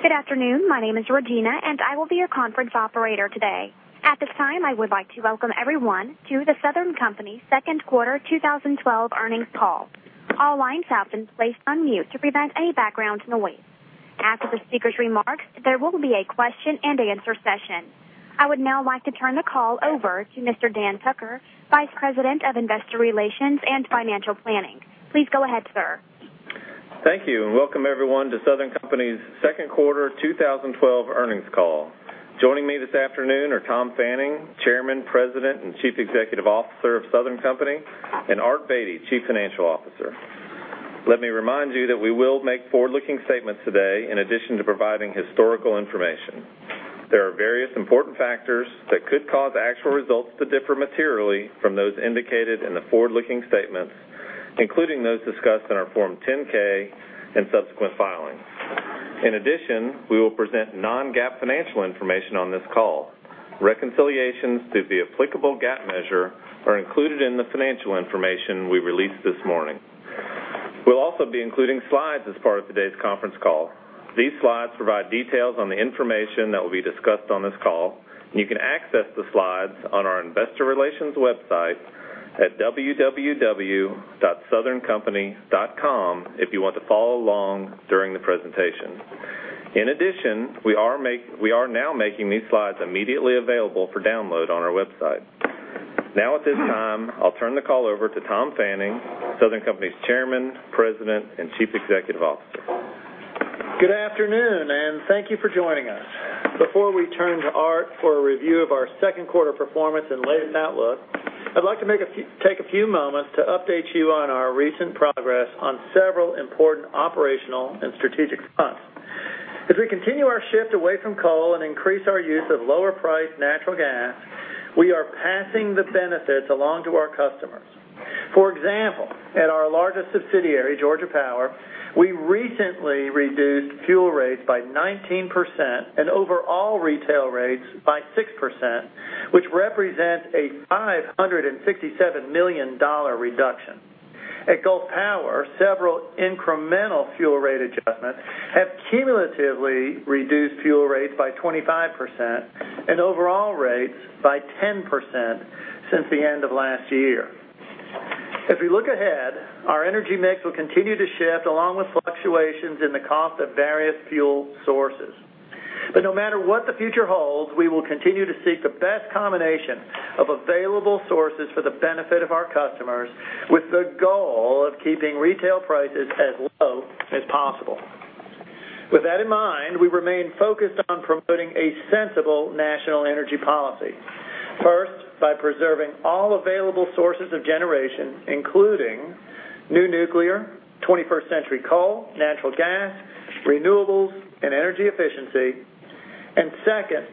Good afternoon. My name is Regina, and I will be your conference operator today. At this time, I would like to welcome everyone to The Southern Company second quarter 2012 earnings call. All lines have been placed on mute to prevent any background noise. After the speaker's remarks, there will be a question and answer session. I would now like to turn the call over to Mr. Dan Tucker, Vice President of Investor Relations and Financial Planning. Please go ahead, sir. Thank you. Welcome everyone to Southern Company's second quarter 2012 earnings call. Joining me this afternoon are Tom Fanning, Chairman, President, and Chief Executive Officer of Southern Company, and Art Beattie, Chief Financial Officer. Let me remind you that we will make forward-looking statements today in addition to providing historical information. There are various important factors that could cause actual results to differ materially from those indicated in the forward-looking statements, including those discussed in our Form 10-K and subsequent filings. In addition, we will present non-GAAP financial information on this call. Reconciliations to the applicable GAAP measure are included in the financial information we released this morning. We will also be including slides as part of today's conference call. These slides provide details on the information that will be discussed on this call. You can access the slides on our investor relations website at www.southerncompany.com if you want to follow along during the presentation. We are now making these slides immediately available for download on our website. At this time, I will turn the call over to Tom Fanning, Southern Company's Chairman, President, and Chief Executive Officer. Good afternoon. Thank you for joining us. Before we turn to Art for a review of our second quarter performance and latest outlook, I would like to take a few moments to update you on our recent progress on several important operational and strategic fronts. As we continue our shift away from coal and increase our use of lower-priced natural gas, we are passing the benefits along to our customers. For example, at our largest subsidiary, Georgia Power, we recently reduced fuel rates by 19% and overall retail rates by 6%, which represents a $567 million reduction. At Gulf Power, several incremental fuel rate adjustments have cumulatively reduced fuel rates by 25% and overall rates by 10% since the end of last year. As we look ahead, our energy mix will continue to shift along with fluctuations in the cost of various fuel sources. No matter what the future holds, we will continue to seek the best combination of available sources for the benefit of our customers with the goal of keeping retail prices as low as possible. With that in mind, we remain focused on promoting a sensible national energy policy. First, by preserving all available sources of generation, including new nuclear, 21st century coal, natural gas, renewables, and energy efficiency. Second,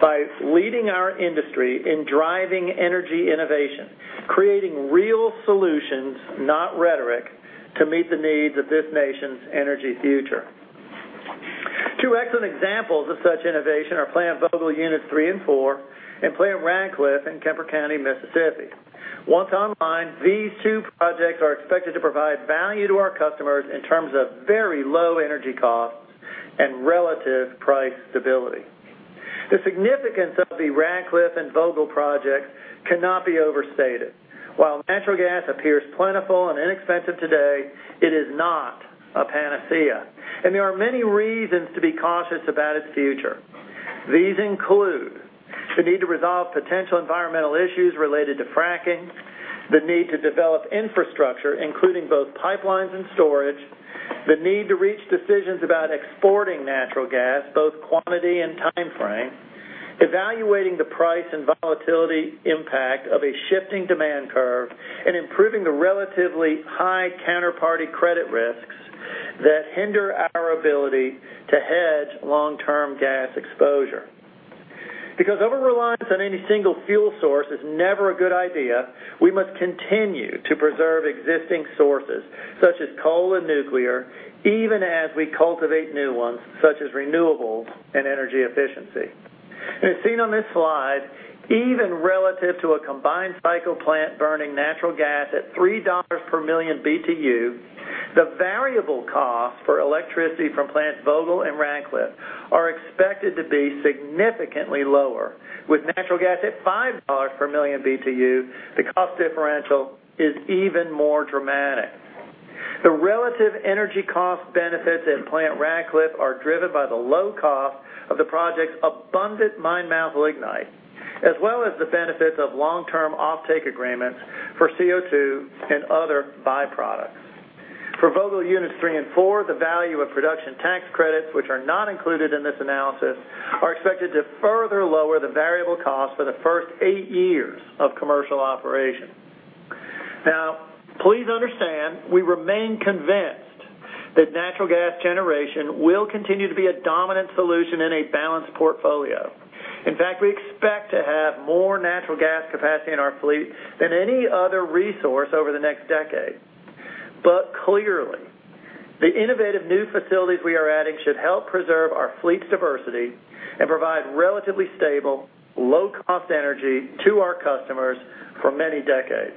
by leading our industry in driving energy innovation, creating real solutions, not rhetoric, to meet the needs of this nation's energy future. Two excellent examples of such innovation are Plant Vogtle Units 3 and 4 and Plant Ratcliffe in Kemper County, Mississippi. Once online, these two projects are expected to provide value to our customers in terms of very low energy costs and relative price stability. The significance of the Ratcliffe and Vogtle projects cannot be overstated. While natural gas appears plentiful and inexpensive today, it is not a panacea, and there are many reasons to be cautious about its future. These include the need to resolve potential environmental issues related to fracking, the need to develop infrastructure, including both pipelines and storage, the need to reach decisions about exporting natural gas, both quantity and timeframe, evaluating the price and volatility impact of a shifting demand curve, and improving the relatively high counterparty credit risks that hinder our ability to hedge long-term gas exposure. Because over-reliance on any single fuel source is never a good idea, we must continue to preserve existing sources, such as coal and nuclear, even as we cultivate new ones, such as renewables and energy efficiency. As seen on this slide, even relative to a combined cycle plant burning natural gas at $3 per million BTU, the variable cost for electricity from Plant Vogtle and Ratcliffe are expected to be significantly lower. With natural gas at $5 per million BTU, the cost differential is even more dramatic. The relative energy cost benefits at Plant Ratcliffe are driven by the low cost of the project's abundant mine-mouth lignite, as well as the benefits of long-term offtake agreements for CO2 and other byproducts. For Vogtle Units 3 and 4, the value of production tax credits, which are not included in this analysis, are expected to further lower the variable cost for the first eight years of commercial operation. Please understand, we remain convinced that natural gas generation will continue to be a dominant solution in a balanced portfolio. In fact, we expect to have more natural gas capacity in our fleet than any other resource over the next decade. Clearly, the innovative new facilities we are adding should help preserve our fleet's diversity and provide relatively stable, low-cost energy to our customers for many decades.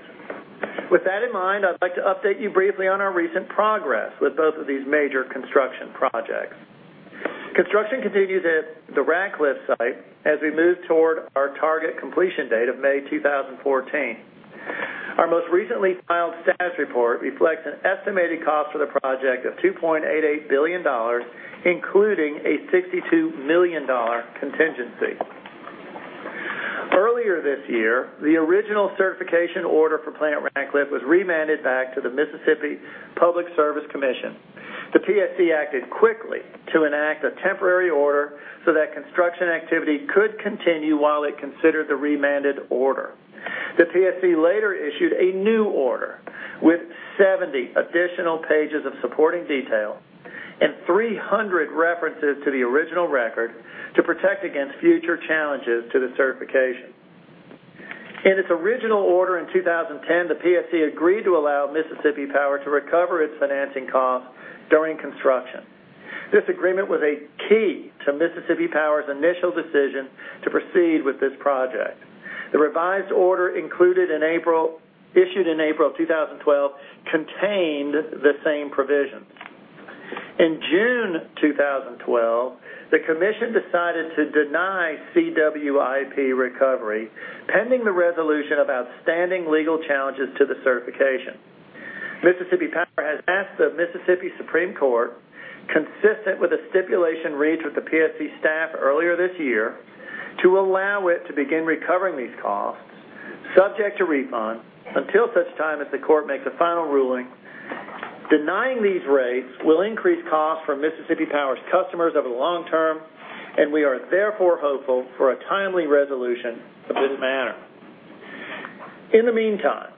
With that in mind, I'd like to update you briefly on our recent progress with both of these major construction projects. Construction continues at the Ratcliffe site as we move toward our target completion date of May 2014. Our most recently filed status report reflects an estimated cost for the project of $2.88 billion, including a $62 million contingency. Earlier this year, the original certification order for Plant Ratcliffe was remanded back to the Mississippi Public Service Commission. The PSC acted quickly to enact a temporary order so that construction activity could continue while it considered the remanded order. The PSC later issued a new order with 70 additional pages of supporting detail and 300 references to the original record to protect against future challenges to the certification. In its original order in 2010, the PSC agreed to allow Mississippi Power to recover its financing costs during construction. This agreement was a key to Mississippi Power's initial decision to proceed with this project. The revised order issued in April of 2012, contained the same provisions. In June 2012, the commission decided to deny CWIP recovery, pending the resolution of outstanding legal challenges to the certification. Mississippi Power has asked the Mississippi Supreme Court, consistent with a stipulation reached with the PSC staff earlier this year, to allow it to begin recovering these costs, subject to refund, until such time as the court makes a final ruling. Denying these rates will increase costs for Mississippi Power's customers over the long term. We are therefore hopeful for a timely resolution of this matter. In the meantime,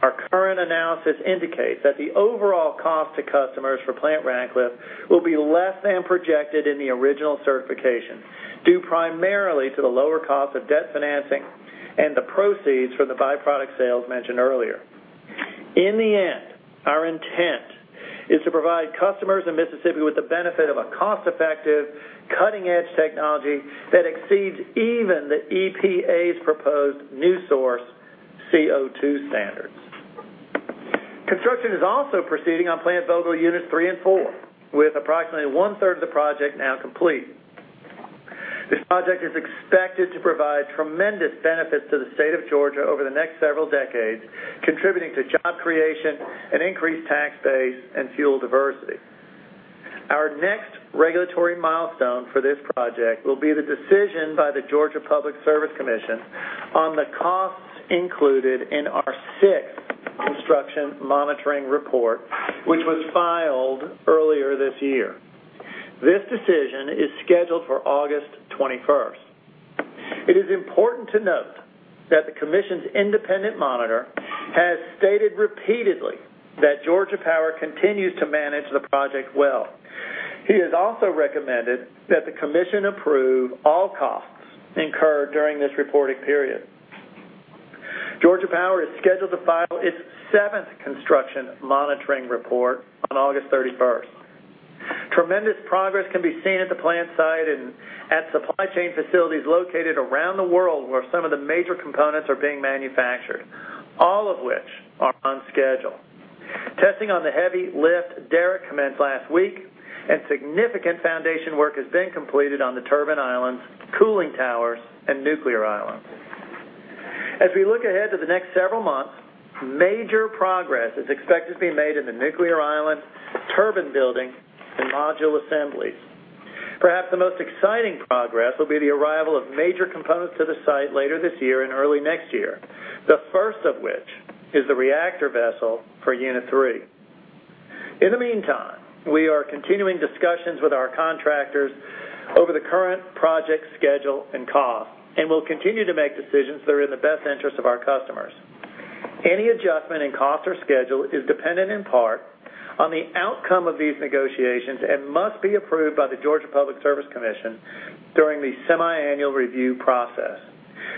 our current analysis indicates that the overall cost to customers for Plant Ratcliffe will be less than projected in the original certification, due primarily to the lower cost of debt financing and the proceeds from the by-product sales mentioned earlier. In the end, our intent is to provide customers in Mississippi with the benefit of a cost-effective, cutting-edge technology that exceeds even the EPA's proposed new source CO2 standards. Construction is also proceeding on Plant Vogtle units 3 and 4, with approximately one-third of the project now complete. This project is expected to provide tremendous benefits to the state of Georgia over the next several decades, contributing to job creation and increased tax base and fuel diversity. Our next regulatory milestone for this project will be the decision by the Georgia Public Service Commission on the costs included in our sixth construction monitoring report, which was filed earlier this year. This decision is scheduled for August 21st. It is important to note that the commission's independent monitor has stated repeatedly that Georgia Power continues to manage the project well. He has also recommended that the commission approve all costs incurred during this reporting period. Georgia Power is scheduled to file its seventh construction monitoring report on August 31st. Tremendous progress can be seen at the plant site and at supply chain facilities located around the world where some of the major components are being manufactured, all of which are on schedule. Testing on the heavy lift derrick commenced last week. Significant foundation work has been completed on the turbine islands, cooling towers, and nuclear island. As we look ahead to the next several months, major progress is expected to be made in the nuclear island, turbine building, and module assemblies. Perhaps the most exciting progress will be the arrival of major components to the site later this year and early next year, the first of which is the reactor vessel for unit 3. In the meantime, we are continuing discussions with our contractors over the current project schedule and cost. We will continue to make decisions that are in the best interest of our customers. Any adjustment in cost or schedule is dependent in part on the outcome of these negotiations and must be approved by the Georgia Public Service Commission during the semiannual review process.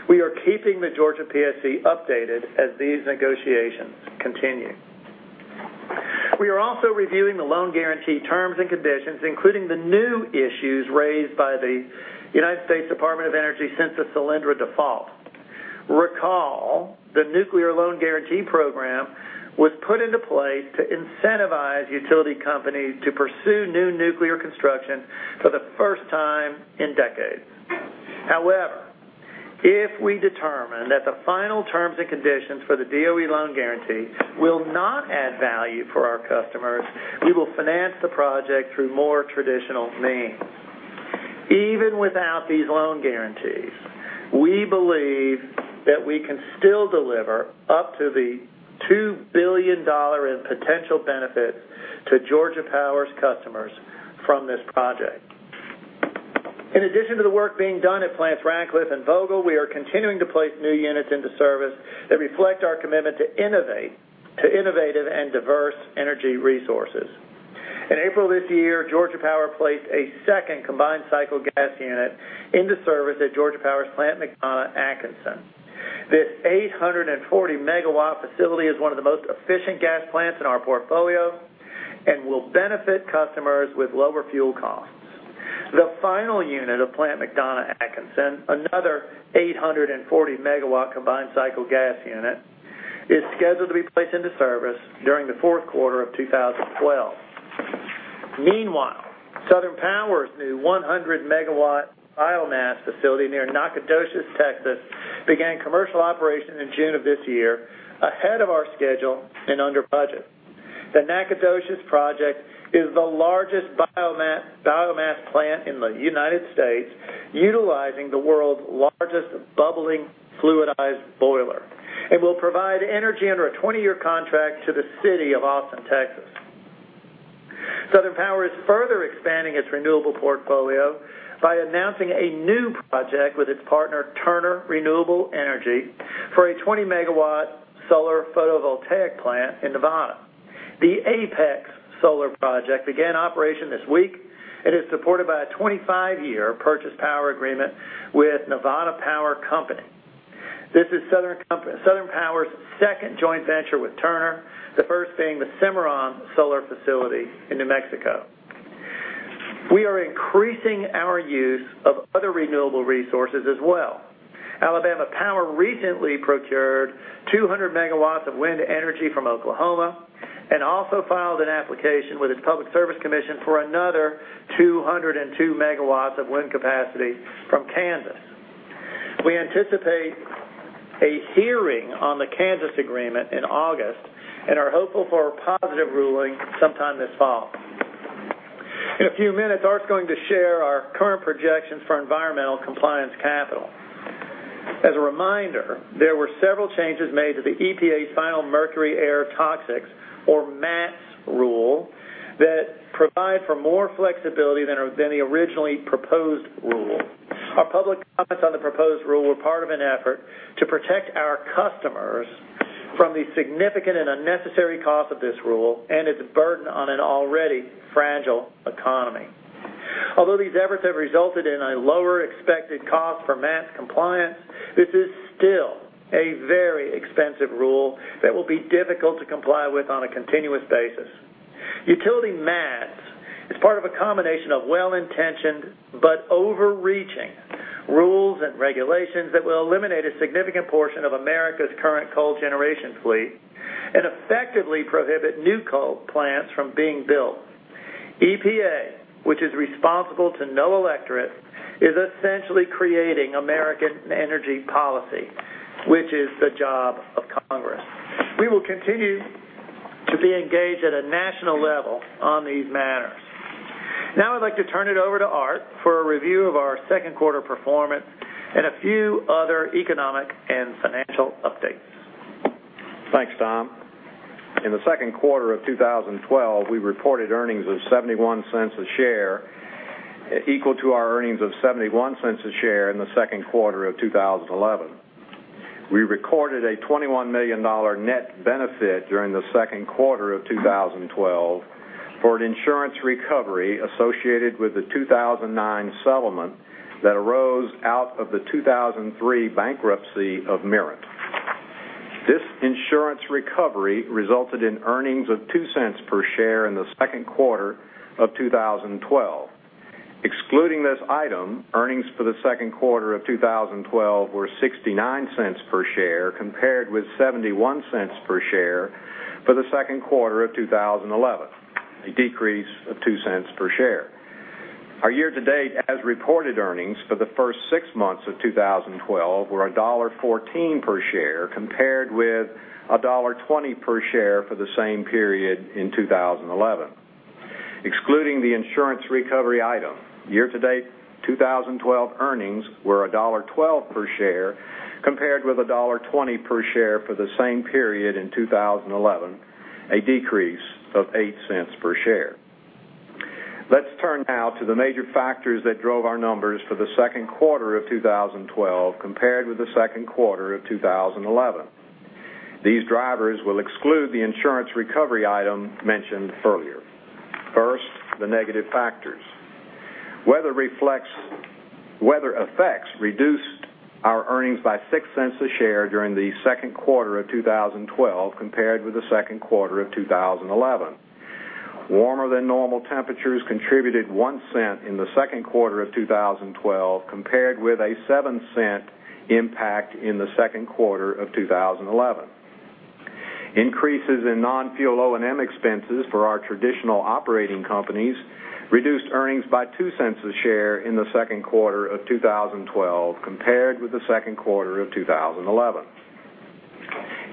We are keeping the Georgia PSC updated as these negotiations continue. We are also reviewing the loan guarantee terms and conditions, including the new issues raised by the United States Department of Energy since the Solyndra default. Recall, the nuclear loan guarantee program was put into place to incentivize utility companies to pursue new nuclear construction for the first time in decades. However, if we determine that the final terms and conditions for the DOE loan guarantee will not add value for our customers, we will finance the project through more traditional means. Even without these loan guarantees, we believe that we can still deliver up to $2 billion in potential benefits to Georgia Power's customers from this project. In addition to the work being done at Plant Ratcliffe and Vogtle, we are continuing to place new units into service that reflect our commitment to innovative and diverse energy resources. April this year, Georgia Power placed a second combined cycle gas unit into service at Georgia Power's Plant McDonough-Atkinson. This 840-megawatt facility is one of the most efficient gas plants in our portfolio and will benefit customers with lower fuel costs. The final unit of Plant McDonough-Atkinson, another 840-megawatt combined cycle gas unit, is scheduled to be placed into service during the fourth quarter of 2012. Meanwhile, Southern Power's new 100-megawatt biomass facility near Nacogdoches, Texas, began commercial operation in June of this year, ahead of our schedule and under budget. The Nacogdoches project is the largest biomass plant in the U.S., utilizing the world's largest bubbling fluidized boiler, and will provide energy under a 20-year contract to the city of Austin, Texas. Southern Power is further expanding its renewable portfolio by announcing a new project with its partner, Turner Renewable Energy, for a 20-megawatt solar photovoltaic plant in Nevada. The Apex Solar Facility began operation this week and is supported by a 25-year purchase power agreement with Nevada Power Company. This is Southern Power's second joint venture with Turner, the first being the Cimarron Solar Facility in New Mexico. We are increasing our use of other renewable resources as well. Alabama Power recently procured 200 megawatts of wind energy from Oklahoma and also filed an application with its Public Service Commission for another 202 megawatts of wind capacity from Kansas. We anticipate a hearing on the Kansas agreement in August and are hopeful for a positive ruling sometime this fall. In a few minutes, Art's going to share our current projections for environmental compliance capital. As a reminder, there were several changes made to the EPA's final Mercury Air Toxics, or MATS rule, that provide for more flexibility than the originally proposed rule. Our public comments on the proposed rule were part of an effort to protect our customers from the significant and unnecessary cost of this rule and its burden on an already fragile economy. Although these efforts have resulted in a lower expected cost for MATS compliance, this is still a very expensive rule that will be difficult to comply with on a continuous basis. Utility MATS is part of a combination of well-intentioned but overreaching rules and regulations that will eliminate a significant portion of America's current coal generation fleet and effectively prohibit new coal plants from being built. EPA, which is responsible to no electorate, is essentially creating American energy policy, which is the job of Congress. We will continue to be engaged at a national level on these matters. I'd like to turn it over to Art for a review of our second quarter performance and a few other economic and financial updates. Thanks, Tom. In the second quarter of 2012, we reported earnings of $0.71 per share, equal to our earnings of $0.71 per share in the second quarter of 2011. We recorded a $21 million net benefit during the second quarter of 2012 for an insurance recovery associated with the 2009 settlement that arose out of the 2003 bankruptcy of Mirant. This insurance recovery resulted in earnings of $0.02 per share in the second quarter of 2012. Excluding this item, earnings for the second quarter of 2012 were $0.69 per share compared with $0.71 per share for the second quarter of 2011, a decrease of $0.02 per share. Our year-to-date, as-reported earnings for the first six months of 2012 were $1.14 per share compared with $1.20 per share for the same period in 2011. Excluding the insurance recovery item, year-to-date 2012 earnings were $1.12 per share compared with $1.20 per share for the same period in 2011, a decrease of $0.08 per share. Let's turn now to the major factors that drove our numbers for the second quarter of 2012 compared with the second quarter of 2011. These drivers will exclude the insurance recovery item mentioned earlier. First, the negative factors. Weather effects reduced our earnings by $0.06 per share during the second quarter of 2012 compared with the second quarter of 2011. Warmer-than-normal temperatures contributed $0.01 in the second quarter of 2012 compared with a $0.07 impact in the second quarter of 2011. Increases in non-fuel O&M expenses for our traditional operating companies reduced earnings by $0.02 per share in the second quarter of 2012 compared with the second quarter of 2011.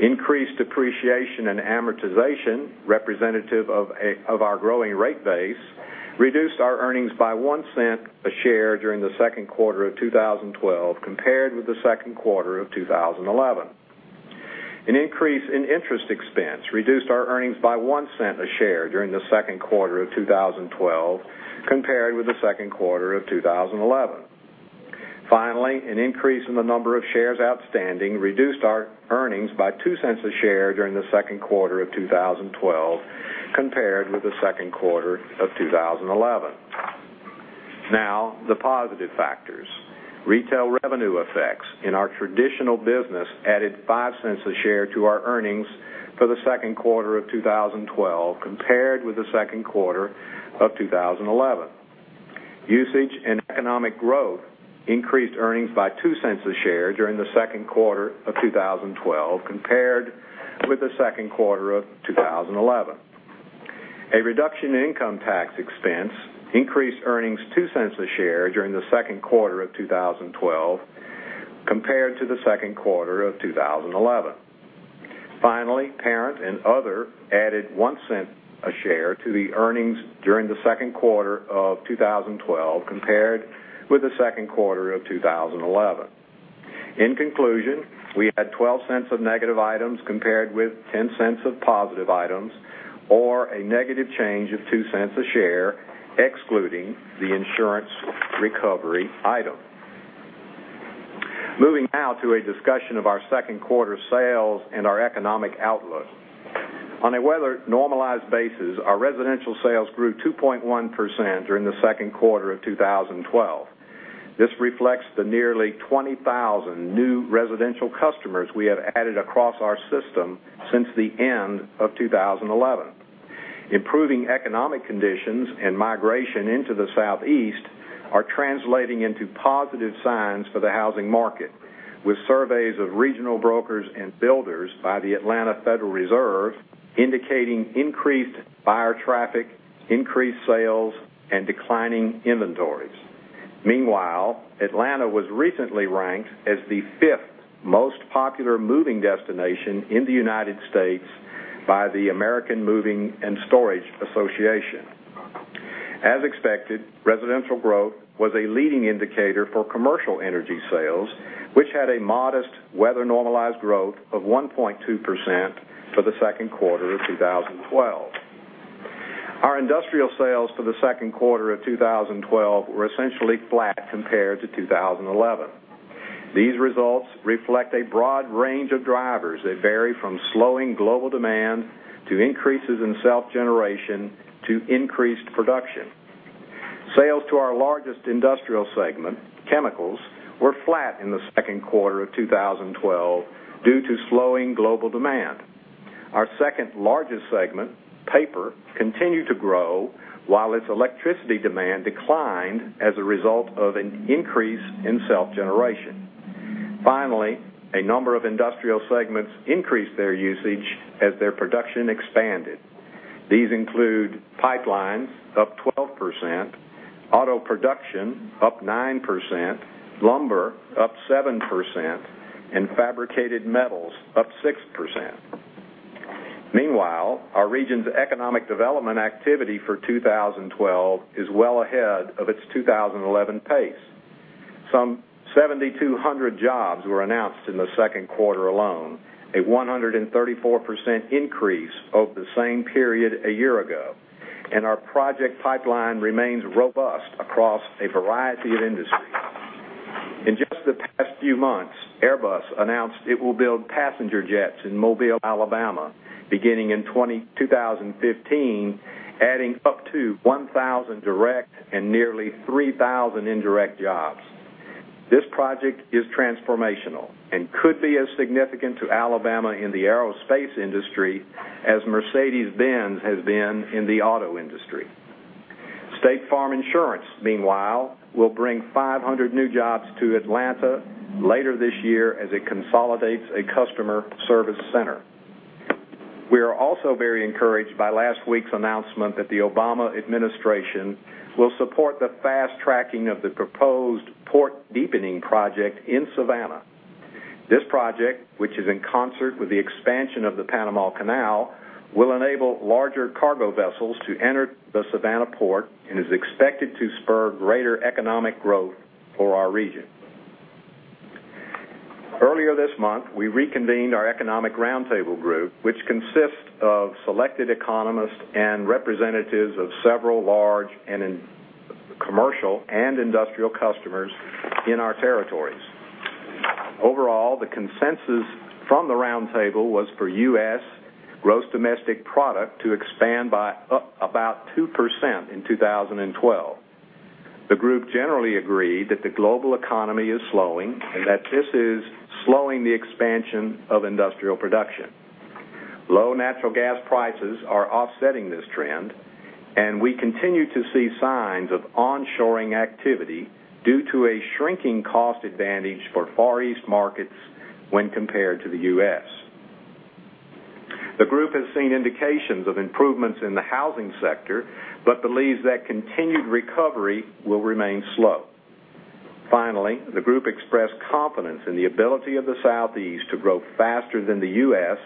Increased depreciation and amortization representative of our growing rate base reduced our earnings by $0.01 per share during the second quarter of 2012 compared with the second quarter of 2011. An increase in interest expense reduced our earnings by $0.01 per share during the second quarter of 2012 compared with the second quarter of 2011. Finally, an increase in the number of shares outstanding reduced our earnings by $0.02 per share during the second quarter of 2012 compared with the second quarter of 2011. The positive factors. Retail revenue effects in our traditional business added $0.05 per share to our earnings for the second quarter of 2012 compared with the second quarter of 2011. Usage and economic growth increased earnings by $0.02 per share during the second quarter of 2012 compared with the second quarter of 2011. A reduction in income tax expense increased earnings $0.02 a share during the second quarter of 2012 compared to the second quarter of 2011. Parent and other added $0.01 a share to the earnings during the second quarter of 2012 compared with the second quarter of 2011. In conclusion, we had $0.12 of negative items compared with $0.10 of positive items, or a negative change of $0.02 a share, excluding the insurance recovery item. Moving now to a discussion of our second quarter sales and our economic outlook. On a weather-normalized basis, our residential sales grew 2.1% during the second quarter of 2012. This reflects the nearly 20,000 new residential customers we have added across our system since the end of 2011. Improving economic conditions and migration into the Southeast are translating into positive signs for the housing market, with surveys of regional brokers and builders by the Federal Reserve Bank of Atlanta indicating increased buyer traffic, increased sales, and declining inventories. Atlanta was recently ranked as the fifth most popular moving destination in the U.S. by the American Moving and Storage Association. As expected, residential growth was a leading indicator for commercial energy sales, which had a modest weather-normalized growth of 1.2% for the second quarter of 2012. Our industrial sales for the second quarter of 2012 were essentially flat compared to 2011. These results reflect a broad range of drivers that vary from slowing global demand to increases in self-generation to increased production. Sales to our largest industrial segment, chemicals, were flat in the second quarter of 2012 due to slowing global demand. Our second-largest segment, paper, continued to grow while its electricity demand declined as a result of an increase in self-generation. A number of industrial segments increased their usage as their production expanded. These include pipelines, up 12%; auto production, up 9%; lumber, up 7%; and fabricated metals, up 6%. Our region's economic development activity for 2012 is well ahead of its 2011 pace. Some 7,200 jobs were announced in the second quarter alone, a 134% increase over the same period a year ago, and our project pipeline remains robust across a variety of industries. In just the past few months, Airbus announced it will build passenger jets in Mobile, Alabama, beginning in 2015, adding up to 1,000 direct and nearly 3,000 indirect jobs. This project is transformational and could be as significant to Alabama in the aerospace industry as Mercedes-Benz has been in the auto industry. State Farm Insurance, meanwhile, will bring 500 new jobs to Atlanta later this year as it consolidates a customer service center. We are also very encouraged by last week's announcement that the Obama administration will support the fast-tracking of the proposed port deepening project in Savannah. This project, which is in concert with the expansion of the Panama Canal, will enable larger cargo vessels to enter the Savannah port and is expected to spur greater economic growth for our region. Earlier this month, we reconvened our economic roundtable group, which consists of selected economists and representatives of several large commercial and industrial customers in our territories. Overall, the consensus from the roundtable was for U.S. gross domestic product to expand by about 2% in 2012. The group generally agreed that the global economy is slowing and that this is slowing the expansion of industrial production. Low natural gas prices are offsetting this trend. We continue to see signs of onshoring activity due to a shrinking cost advantage for Far East markets when compared to the U.S. The group has seen indications of improvements in the housing sector but believes that continued recovery will remain slow. Finally, the group expressed confidence in the ability of the Southeast to grow faster than the U.S.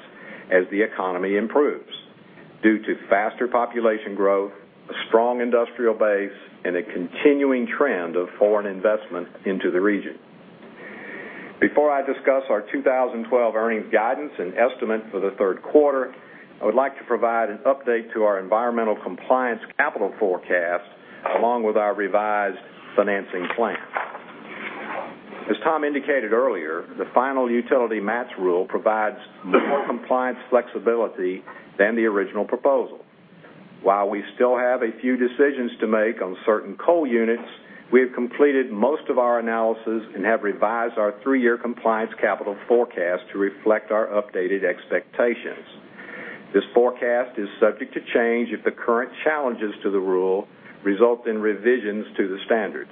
as the economy improves due to faster population growth, a strong industrial base, and a continuing trend of foreign investment into the region. Before I discuss our 2012 earnings guidance and estimate for the third quarter, I would like to provide an update to our environmental compliance capital forecast, along with our revised financing plan. As Tom indicated earlier, the final Utility MATS rule provides more compliance flexibility than the original proposal. While we still have a few decisions to make on certain coal units, we have completed most of our analysis and have revised our three-year compliance capital forecast to reflect our updated expectations. This forecast is subject to change if the current challenges to the rule result in revisions to the standards.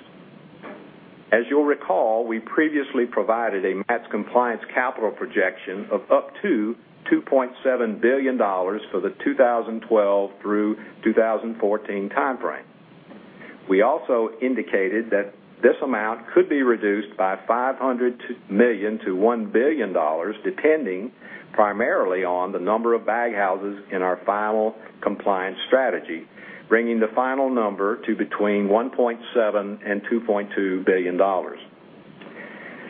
As you'll recall, we previously provided a MATS compliance capital projection of up to $2.7 billion for the 2012 through 2014 timeframe. We also indicated that this amount could be reduced by $500 million to $1 billion, depending primarily on the number of baghouses in our final compliance strategy, bringing the final number to between $1.7 billion and $2.2 billion.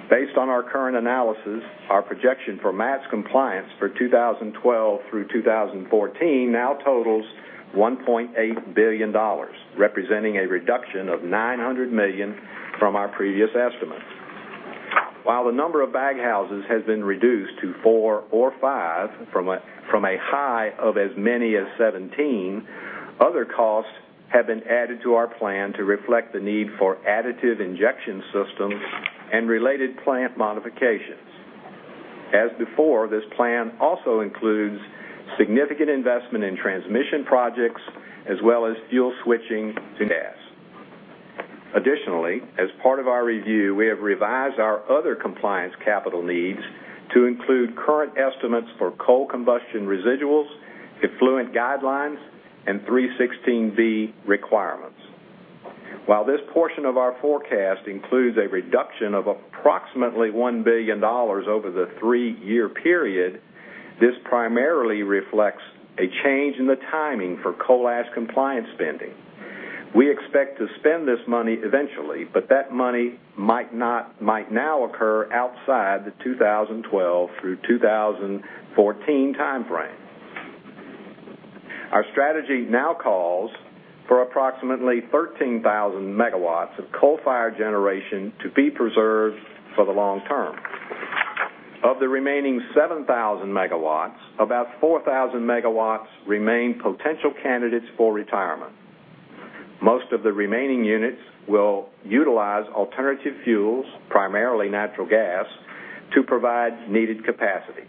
Based on our current analysis, our projection for MATS compliance for 2012 through 2014 now totals $1.8 billion, representing a reduction of $900 million from our previous estimate. While the number of baghouses has been reduced to four or five from a high of as many as 17, other costs have been added to our plan to reflect the need for additive injection systems and related plant modifications. As before, this plan also includes significant investment in transmission projects, as well as fuel switching to gas. Additionally, as part of our review, we have revised our other compliance capital needs to include current estimates for coal combustion residuals, effluent guidelines, and 316 requirements. While this portion of our forecast includes a reduction of approximately $1 billion over the three-year period, this primarily reflects a change in the timing for coal ash compliance spending. We expect to spend this money eventually, but that money might now occur outside the 2012 through 2014 timeframe. Our strategy now calls for approximately 13,000 megawatts of coal-fired generation to be preserved for the long term. Of the remaining 7,000 megawatts, about 4,000 megawatts remain potential candidates for retirement. Most of the remaining units will utilize alternative fuels, primarily natural gas, to provide needed capacity.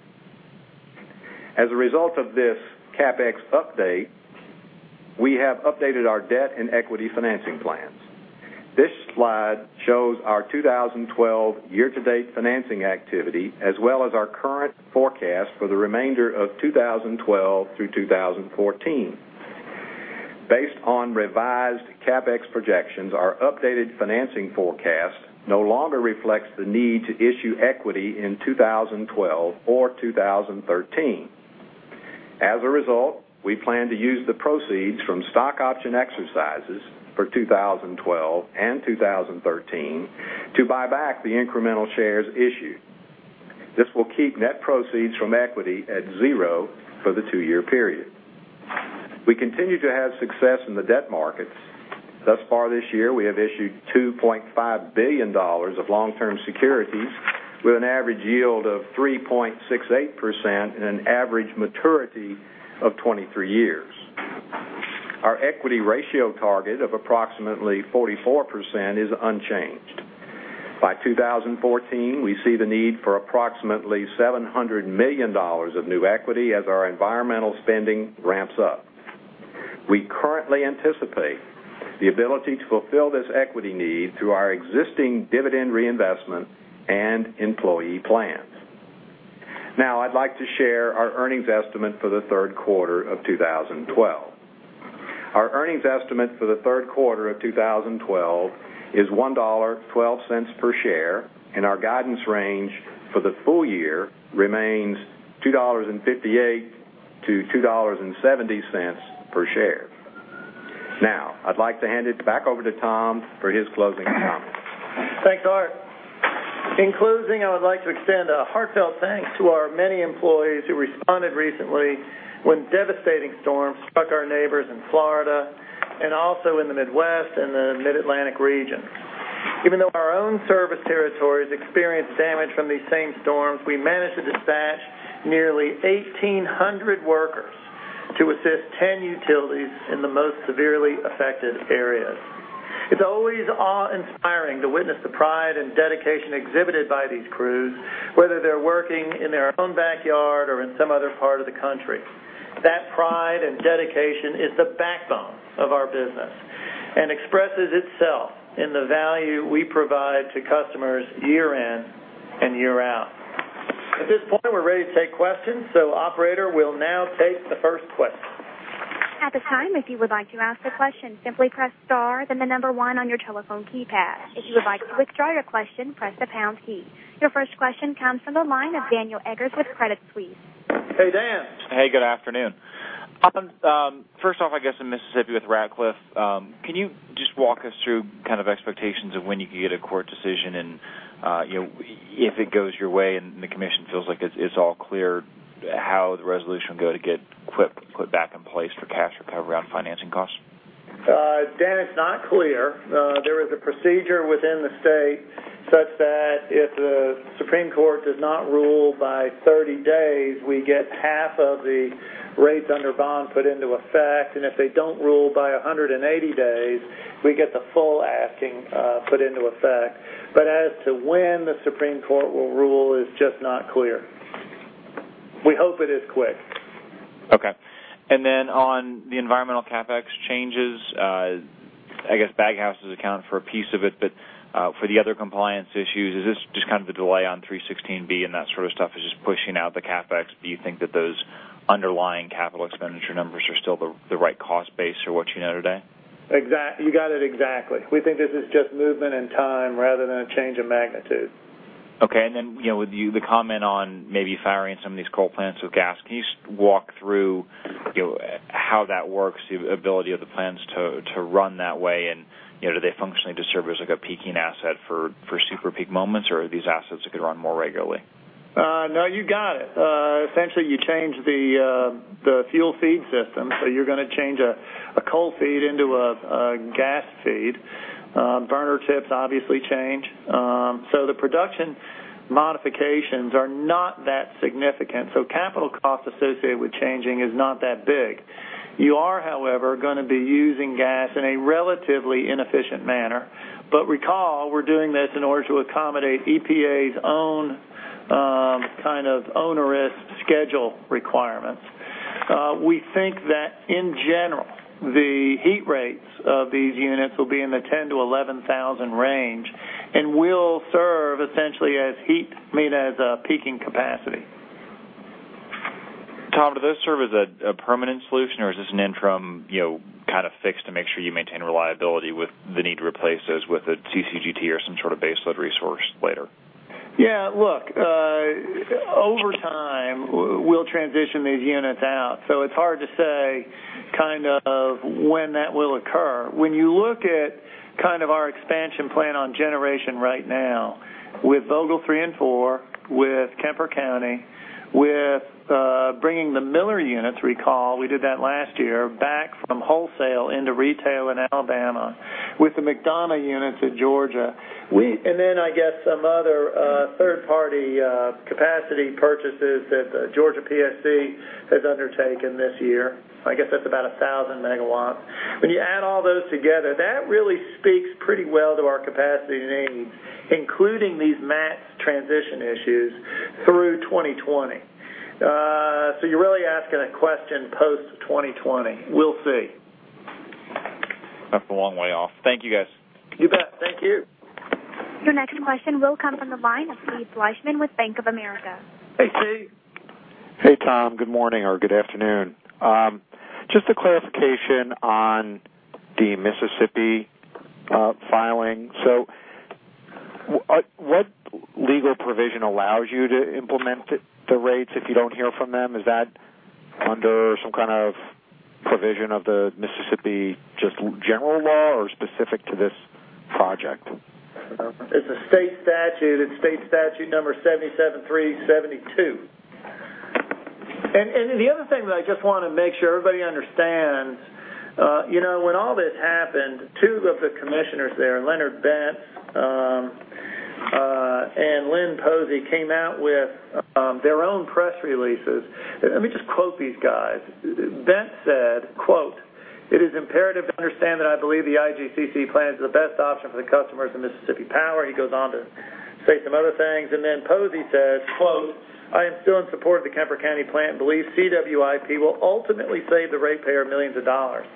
As a result of this CapEx update, we have updated our debt and equity financing plans. This slide shows our 2012 year-to-date financing activity, as well as our current forecast for the remainder of 2012 through 2014. Based on revised CapEx projections, our updated financing forecast no longer reflects the need to issue equity in 2012 or 2013. As a result, we plan to use the proceeds from stock option exercises for 2012 and 2013 to buy back the incremental shares issued. This will keep net proceeds from equity at zero for the two-year period. We continue to have success in the debt markets. This year, we have issued $2.5 billion of long-term securities with an average yield of 3.68% and an average maturity of 23 years. Our equity ratio target of approximately 44% is unchanged. By 2014, we see the need for approximately $700 million of new equity as our environmental spending ramps up. We currently anticipate the ability to fulfill this equity need through our existing dividend reinvestment and employee plans. I'd like to share our earnings estimate for the third quarter of 2012. Our earnings estimate for the third quarter of 2012 is $1.12 per share, and our guidance range for the full year remains $2.58-$2.70 per share. I'd like to hand it back over to Tom for his closing comments. Thanks, Art. In closing, I would like to extend a heartfelt thanks to our many employees who responded recently when devastating storms struck our neighbors in Florida and also in the Midwest and the Mid-Atlantic regions. Even though our own service territories experienced damage from these same storms, we managed to dispatch nearly 1,800 workers to assist 10 utilities in the most severely affected areas. It's always awe-inspiring to witness the pride and dedication exhibited by these crews, whether they're working in their own backyard or in some other part of the country. That pride and dedication is the backbone of our business and expresses itself in the value we provide to customers year in and year out. At this point, we're ready to take questions, operator, we'll now take the first question. At this time, if you would like to ask a question, simply press star then the number 1 on your telephone keypad. If you would like to withdraw your question, press the pound key. Your first question comes from the line of Daniel Eggers with Credit Suisse. Hey, Dan. Hey, good afternoon. First off, I guess in Mississippi with Ratcliffe, can you just walk us through kind of expectations of when you could get a court decision and if it goes your way and the commission feels like it's all clear, how the resolution go to get put back in place for cash recovery on financing costs? It's not clear. There is a procedure within the state such that if the Supreme Court does not rule by 30 days, we get half of the rates under bond put into effect, and if they don't rule by 180 days, we get the full asking put into effect. As to when the Supreme Court will rule is just not clear. We hope it is quick. Okay. On the environmental CapEx changes, I guess baghouses account for a piece of it, but for the other compliance issues, is this just a delay on 316 and that sort of stuff is just pushing out the CapEx? Do you think that those underlying capital expenditure numbers are still the right cost base for what you know today? You got it exactly. We think this is just movement in time rather than a change in magnitude. Okay. With the comment on maybe firing some of these coal plants with gas, can you just walk through how that works, the ability of the plants to run that way, and do they functionally just serve as a peaking asset for super peak moments, or are these assets that could run more regularly? No, you got it. Essentially, you change the fuel feed system. You're going to change a coal feed into a gas feed. Burner tips obviously change. The production modifications are not that significant. Capital cost associated with changing is not that big. You are, however, going to be using gas in a relatively inefficient manner. Recall, we're doing this in order to accommodate EPA's own kind of onerous schedule requirements. We think that in general, the heat rates of these units will be in the 10,000-11,000 range and will serve essentially as heat made at a peaking capacity. Tom, do those serve as a permanent solution, or is this an interim kind of fix to make sure you maintain reliability with the need to replace those with a CCGT or some sort of base load resource later? Yeah. Look, over time, we'll transition these units out, it's hard to say when that will occur. When you look at our expansion plan on generation right now with Vogtle 3 and 4, with Kemper County, with bringing the Miller units, recall we did that last year, back from wholesale into retail in Alabama, with the McDonough units at Georgia, and then I guess some other third-party capacity purchases that Georgia PSC has undertaken this year. I guess that's about 1,000 megawatts. When you add all those together, that really speaks pretty well to our capacity needs, including these MATS transition issues through 2020. You're really asking a question post-2020. We'll see. That's a long way off. Thank you, guys. You bet. Thank you. Your next question will come from the line of Steven Fleishman with Bank of America. Hey, Steve. Hey, Tom. Good morning or good afternoon. Just a clarification on the Mississippi filing. What legal provision allows you to implement the rates if you don't hear from them? Is that under some kind of provision of the Mississippi just general law or specific to this project? It's a state statute. It's state statute number 77-3-72. The other thing that I just want to make sure everybody understands, when all this happened, two of the commissioners there, Leonard Bentz and Lynn Posey, came out with their own press releases. Let me just quote these guys. Bentz said, quote, "It is imperative to understand that I believe the IGCC plan is the best option for the customers of Mississippi Power." He goes on to say some other things. Then Posey says, quote, "I am still in support of the Kemper County plant and believe CWIP will ultimately save the ratepayer millions of dollars."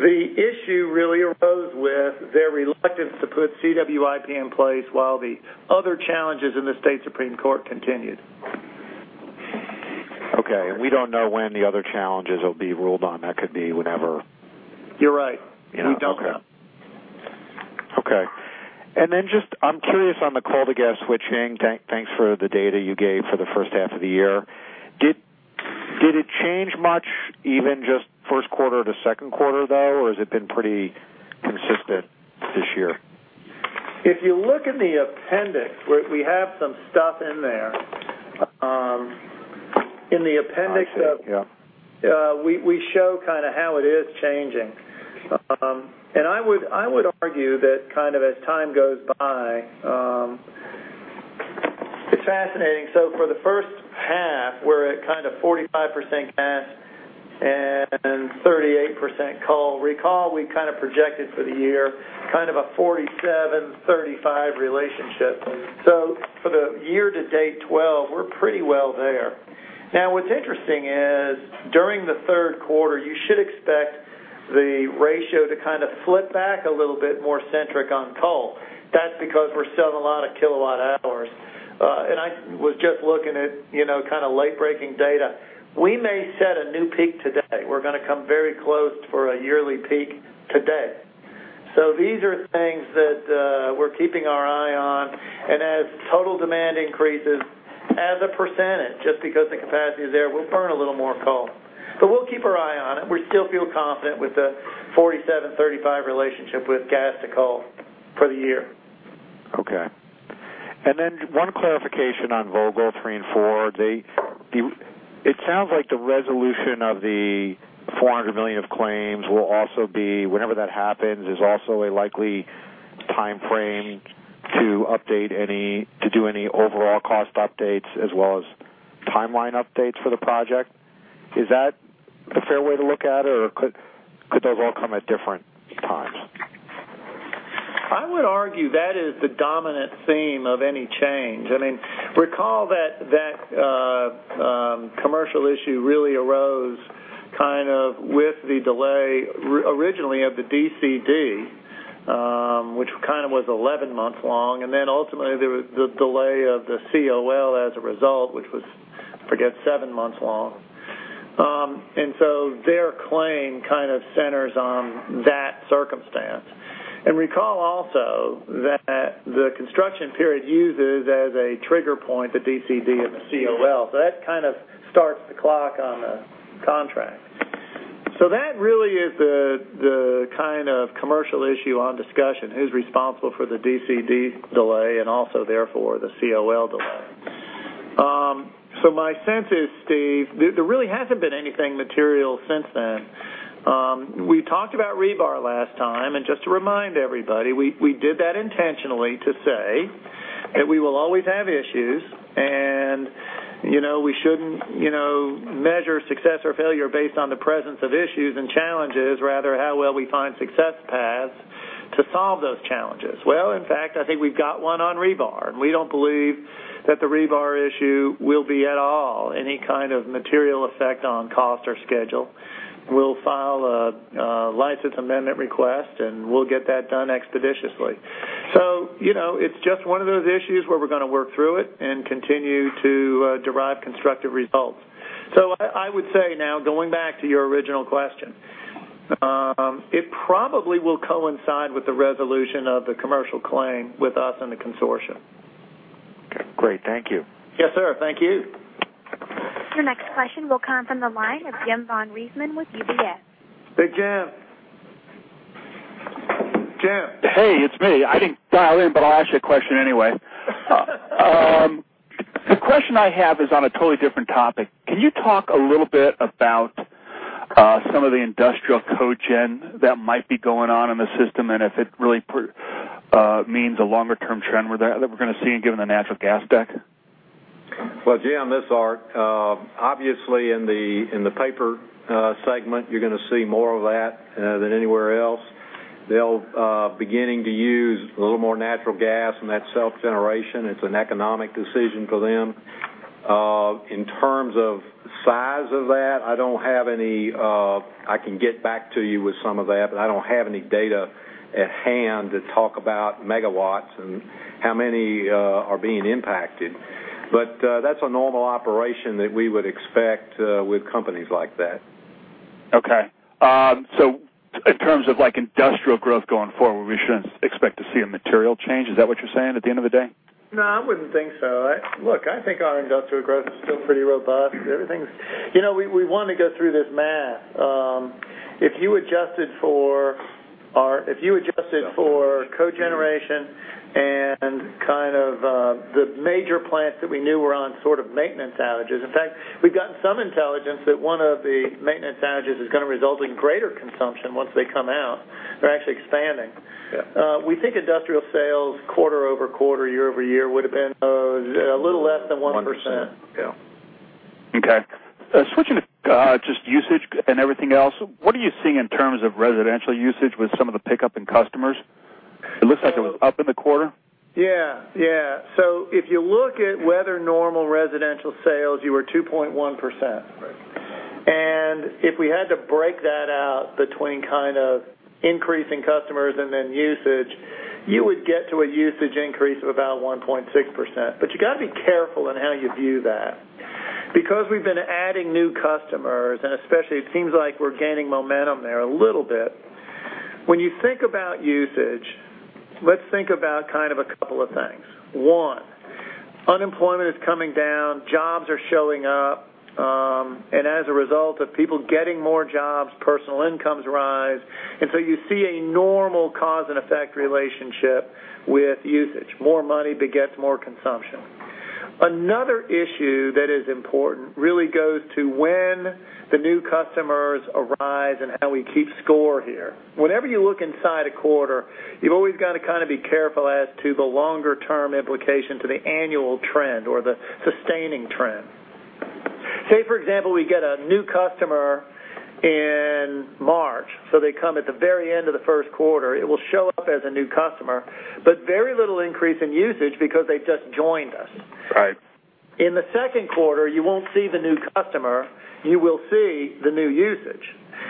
The issue really arose with their reluctance to put CWIP in place while the other challenges in the Mississippi Supreme Court continued. Okay. We don't know when the other challenges will be ruled on. That could be whenever. You're right. We don't know. Okay. I'm curious on the coal-to-gas switching. Thanks for the data you gave for the first half of the year. Did it change much even just first quarter to second quarter, though, or has it been pretty consistent this year? If you look in the appendix, we have some stuff in there. I see. Yeah. In the appendix, we show how it is changing. I would argue that as time goes by, it's fascinating. For the first half, we're at 45% gas and 38% coal. Recall, we projected for the year a 47-35 relationship. For the year-to-date 12, we're pretty well there. What's interesting is during the third quarter, you should expect the ratio to flip back a little bit more centric on coal. That's because we're selling a lot of kilowatt hours. I was just looking at late-breaking data. We may set a new peak today. We're going to come very close for a yearly peak today. These are things that we're keeping our eye on, and as total demand increases as a percentage, just because the capacity is there, we'll burn a little more coal. We'll keep our eye on it. We still feel confident with the 47-35 relationship with gas to coal for the year. One clarification on Vogtle 3 and 4. It sounds like the resolution of the $400 million of claims will also be, whenever that happens, is also a likely timeframe to do any overall cost updates as well as timeline updates for the project. Is that a fair way to look at it, or could those all come at different times? I would argue that is the dominant theme of any change. Recall that commercial issue really arose with the delay originally of the DCD, which was 11 months long, then ultimately there was the delay of the COL as a result, which was, I forget, seven months long. Their claim kind of centers on that circumstance. Recall also that the construction period uses as a trigger point the DCD and the COL. That kind of starts the clock on the contract. That really is the kind of commercial issue on discussion. Who's responsible for the DCD delay and also therefore the COL delay? My sense is, Steve, there really hasn't been anything material since then. We talked about rebar last time, and just to remind everybody, we did that intentionally to say that we will always have issues and we shouldn't measure success or failure based on the presence of issues and challenges, rather how well we find success paths to solve those challenges. In fact, I think we've got one on rebar, and we don't believe that the rebar issue will be at all any kind of material effect on cost or schedule. We'll file a license amendment request, and we'll get that done expeditiously. It's just one of those issues where we're going to work through it and continue to derive constructive results. I would say now, going back to your original question, it probably will coincide with the resolution of the commercial claim with us and the consortium. Okay, great. Thank you. Yes, sir. Thank you. Your next question will come from the line of James von Riesemann with UBS. Hey, Jim. Hey, it's me. I didn't dial in. I'll ask you a question anyway. The question I have is on a totally different topic. Can you talk a little bit about some of the industrial cogen that might be going on in the system and if it really means a longer-term trend that we're going to see given the natural gas spec? Well, Jim, this is Art. Obviously, in the paper segment, you're going to see more of that than anywhere else. They're beginning to use a little more natural gas in that self-generation. It's an economic decision for them. In terms of size of that, I can get back to you with some of that. I don't have any data at hand to talk about megawatts and how many are being impacted. That's a normal operation that we would expect with companies like that. Okay. In terms of industrial growth going forward, we shouldn't expect to see a material change. Is that what you're saying at the end of the day? No, I wouldn't think so. Look, I think our industrial growth is still pretty robust. We want to go through this math. If you adjusted for cogeneration and the major plants that we knew were on maintenance outages. In fact, we've gotten some intelligence that one of the maintenance outages is going to result in greater consumption once they come out. They're actually expanding. Yeah. We think industrial sales quarter-over-quarter, year-over-year would've been a little less than 1%. 1%, yeah. Okay. Switching to just usage and everything else, what are you seeing in terms of residential usage with some of the pickup in customers? It looks like it was up in the quarter. Yeah. If you look at weather normal residential sales, you were 2.1%. Right. If we had to break that out between increasing customers and then usage, you would get to a usage increase of about 1.6%. You got to be careful in how you view that. We've been adding new customers, and especially it seems like we're gaining momentum there a little bit. When you think about usage, let's think about a couple of things. One, unemployment is coming down, jobs are showing up, as a result of people getting more jobs, personal incomes rise, so you see a normal cause and effect relationship with usage. More money begets more consumption. Another issue that is important really goes to when the new customers arise and how we keep score here. Whenever you look inside a quarter, you've always got to be careful as to the longer-term implication to the annual trend or the sustaining trend. Say, for example, we get a new customer in March, they come at the very end of the first quarter. It will show up as a new customer, very little increase in usage because they've just joined us. Right. In the second quarter, you won't see the new customer. You will see the new usage.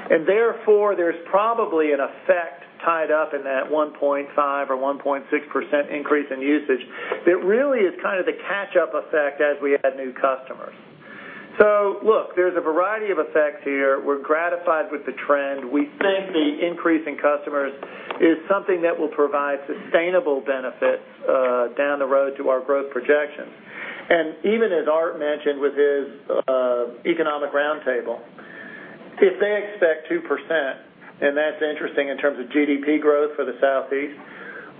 Therefore, there's probably an effect tied up in that 1.5% or 1.6% increase in usage that really is kind of the catch-up effect as we add new customers. Look, there's a variety of effects here. We're gratified with the trend. We think the increase in customers is something that will provide sustainable benefits down the road to our growth projections. Even as Art mentioned with his economic roundtable, if they expect 2%, that's interesting in terms of GDP growth for the Southeast,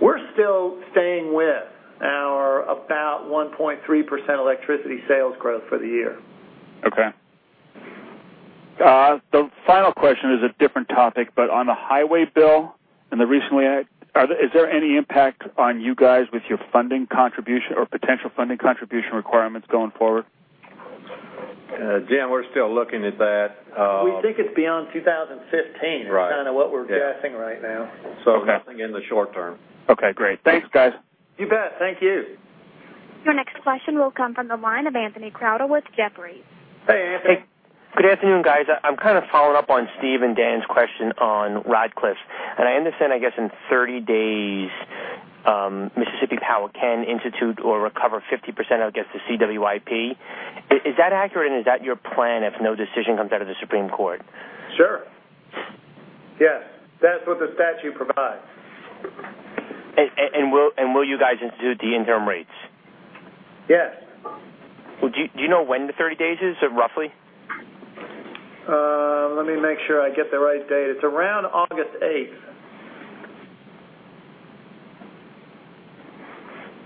we're still staying with our about 1.3% electricity sales growth for the year. Okay. The final question is a different topic, on the highway bill and the recent act, is there any impact on you guys with your funding contribution or potential funding contribution requirements going forward? Jim, we're still looking at that. We think it's beyond 2015, right, is kind of what we're guessing right now. Nothing in the short term. Okay, great. Thanks, guys. You bet. Thank you. Your next question will come from the line of Anthony Crowdell with Jefferies. Hey, Anthony. Good afternoon, guys. I'm kind of following up on Steve and Dan's question on Ratcliffe. I understand, I guess, in 30 days, Mississippi Power can institute or recover 50% out against the CWIP. Is that accurate, and is that your plan if no decision comes out of the Supreme Court? Sure. Yes. That's what the statute provides. Will you guys institute the interim rates? Yes. Do you know when the 30 days is, roughly? Let me make sure I get the right date. It's around August 8th.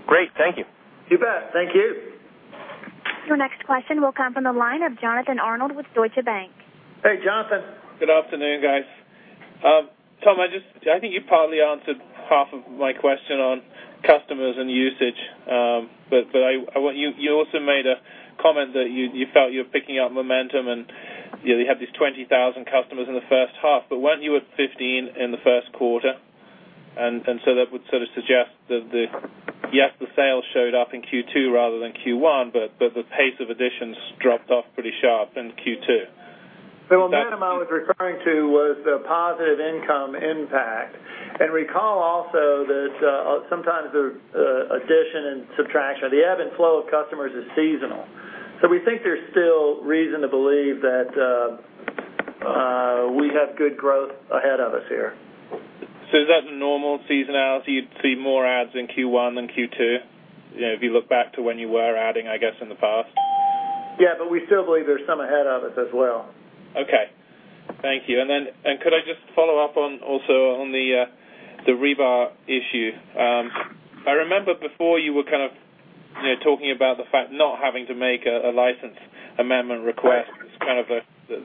Great. Thank you. You bet. Thank you. Your next question will come from the line of Jonathan Arnold with Deutsche Bank. Hey, Jonathan. Good afternoon, guys. Tom, I think you partly answered half of my question on customers and usage. You also made a comment that you felt you were picking up momentum, and you have these 20,000 customers in the first half. Weren't you at 15,000 in the first quarter? That would sort of suggest that, yes, the sales showed up in Q2 rather than Q1, but the pace of additions dropped off pretty sharp in Q2. The momentum I was referring to was the positive income impact. Recall also that sometimes the addition and subtraction or the ebb and flow of customers is seasonal. We think there's still reason to believe that we have good growth ahead of us here. Is that the normal seasonality? You'd see more adds in Q1 than Q2? If you look back to when you were adding, I guess, in the past? Yeah, we still believe there's some ahead of us as well. Okay. Thank you. Could I just follow up also on the rebar issue? I remember before you were kind of talking about the fact not having to make a license amendment request as kind of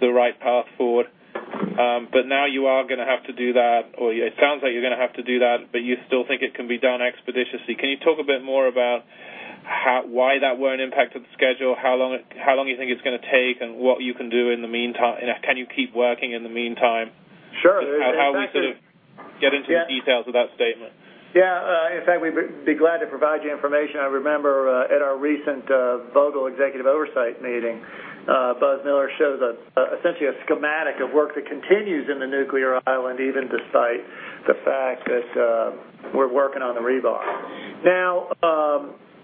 the right path forward. Now you are going to have to do that, or it sounds like you're going to have to do that, but you still think it can be done expeditiously. Can you talk a bit more about why that won't impact the schedule, how long you think it's going to take, and what you can do in the meantime? Can you keep working in the meantime? Sure. How we sort of get into the details of that statement. Yeah. In fact, we'd be glad to provide you information. I remember at our recent Vogtle executive oversight meeting, Buzz Miller showed essentially a schematic of work that continues in the nuclear island, even despite the fact that we're working on the rebar.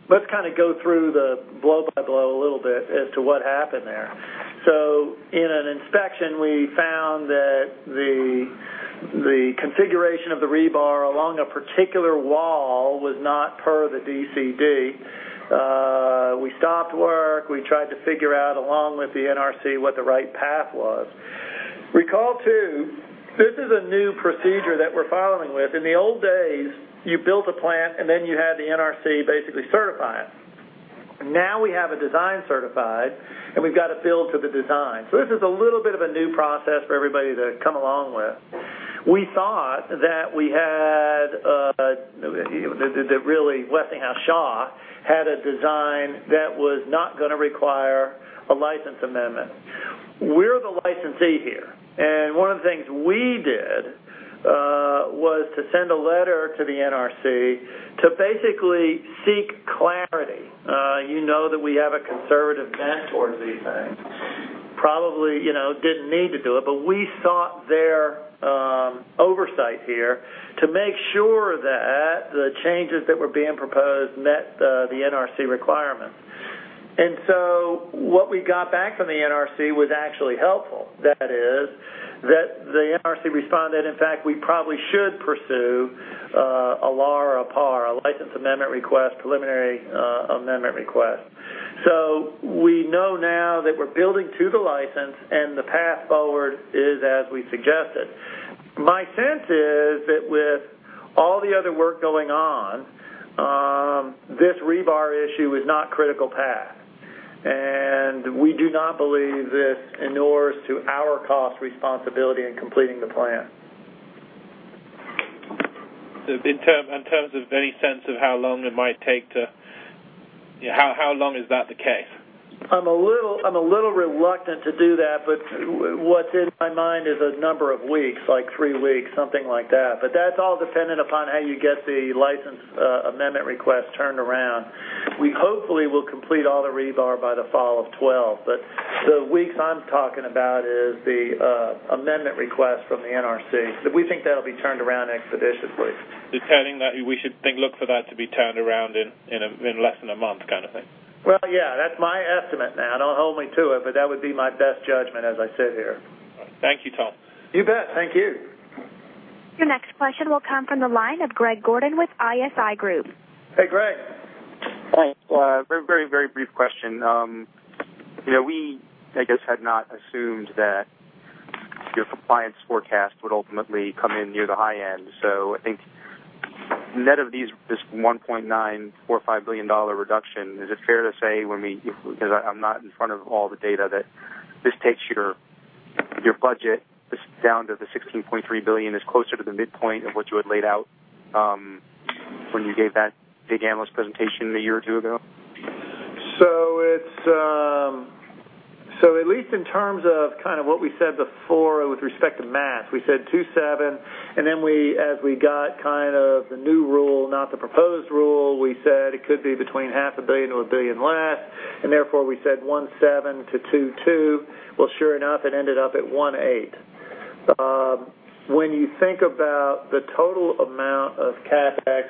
Let's go through the blow-by-blow a little bit as to what happened there. In an inspection, we found that the configuration of the rebar along a particular wall was not per the DCD. We stopped work. We tried to figure out, along with the NRC, what the right path was. Recall, too, this is a new procedure that we're following with. In the old days, you built a plant, and then you had the NRC basically certify it. Now we have a design certified, and we've got to build to the design. This is a little bit of a new process for everybody to come along with. We thought that Westinghouse Shaw had a design that was not going to require a license amendment. We're the licensee here, and one of the things we did was to send a letter to the U.S. Nuclear Regulatory Commission to basically seek clarity. You know that we have a conservative bent towards these things. Probably didn't need to do it, but we sought their oversight here to make sure that the changes that were being proposed met the U.S. Nuclear Regulatory Commission requirements. What we got back from the U.S. Nuclear Regulatory Commission was actually helpful. That is that the U.S. Nuclear Regulatory Commission responded, in fact, we probably should pursue a LAR or a PAR, a license amendment request, preliminary amendment request. We know now that we're building to the license and the path forward is as we suggested. My sense is that with all the other work going on, this rebar issue is not critical path. We do not believe this inures to our cost responsibility in completing the plant. In terms of any sense of how long is that the case? I'm a little reluctant to do that, but what's in my mind is a number of weeks, like three weeks, something like that. That's all dependent upon how you get the license amendment request turned around. We hopefully will complete all the rebar by the fall of 2012. The weeks I'm talking about is the amendment request from the U.S. Nuclear Regulatory Commission. We think that'll be turned around expeditiously. You're counting that we should look for that to be turned around in less than a month kind of thing? Well, yeah. That's my estimate now. Don't hold me to it, but that would be my best judgment as I sit here. Thank you, Tom. You bet. Thank you. Your next question will come from the line of Greg Gordon with ISI Group. Hey, Greg. Hi. Very brief question. I guess, had not assumed that your compliance forecast would ultimately come in near the high end. I think net of this $1.945 billion reduction, is it fair to say when because I'm not in front of all the data, that this takes your budget down to the $16.3 billion is closer to the midpoint of what you had laid out when you gave that big analyst presentation a year or two ago? At least in terms of what we said before with respect to math, we said $2.7 billion, then as we got the new rule, not the proposed rule, we said it could be between half a billion to $1 billion less, therefore we said $1.7 billion to $2.2 billion. Sure enough, it ended up at $1.8 billion. When you think about the total amount of CapEx,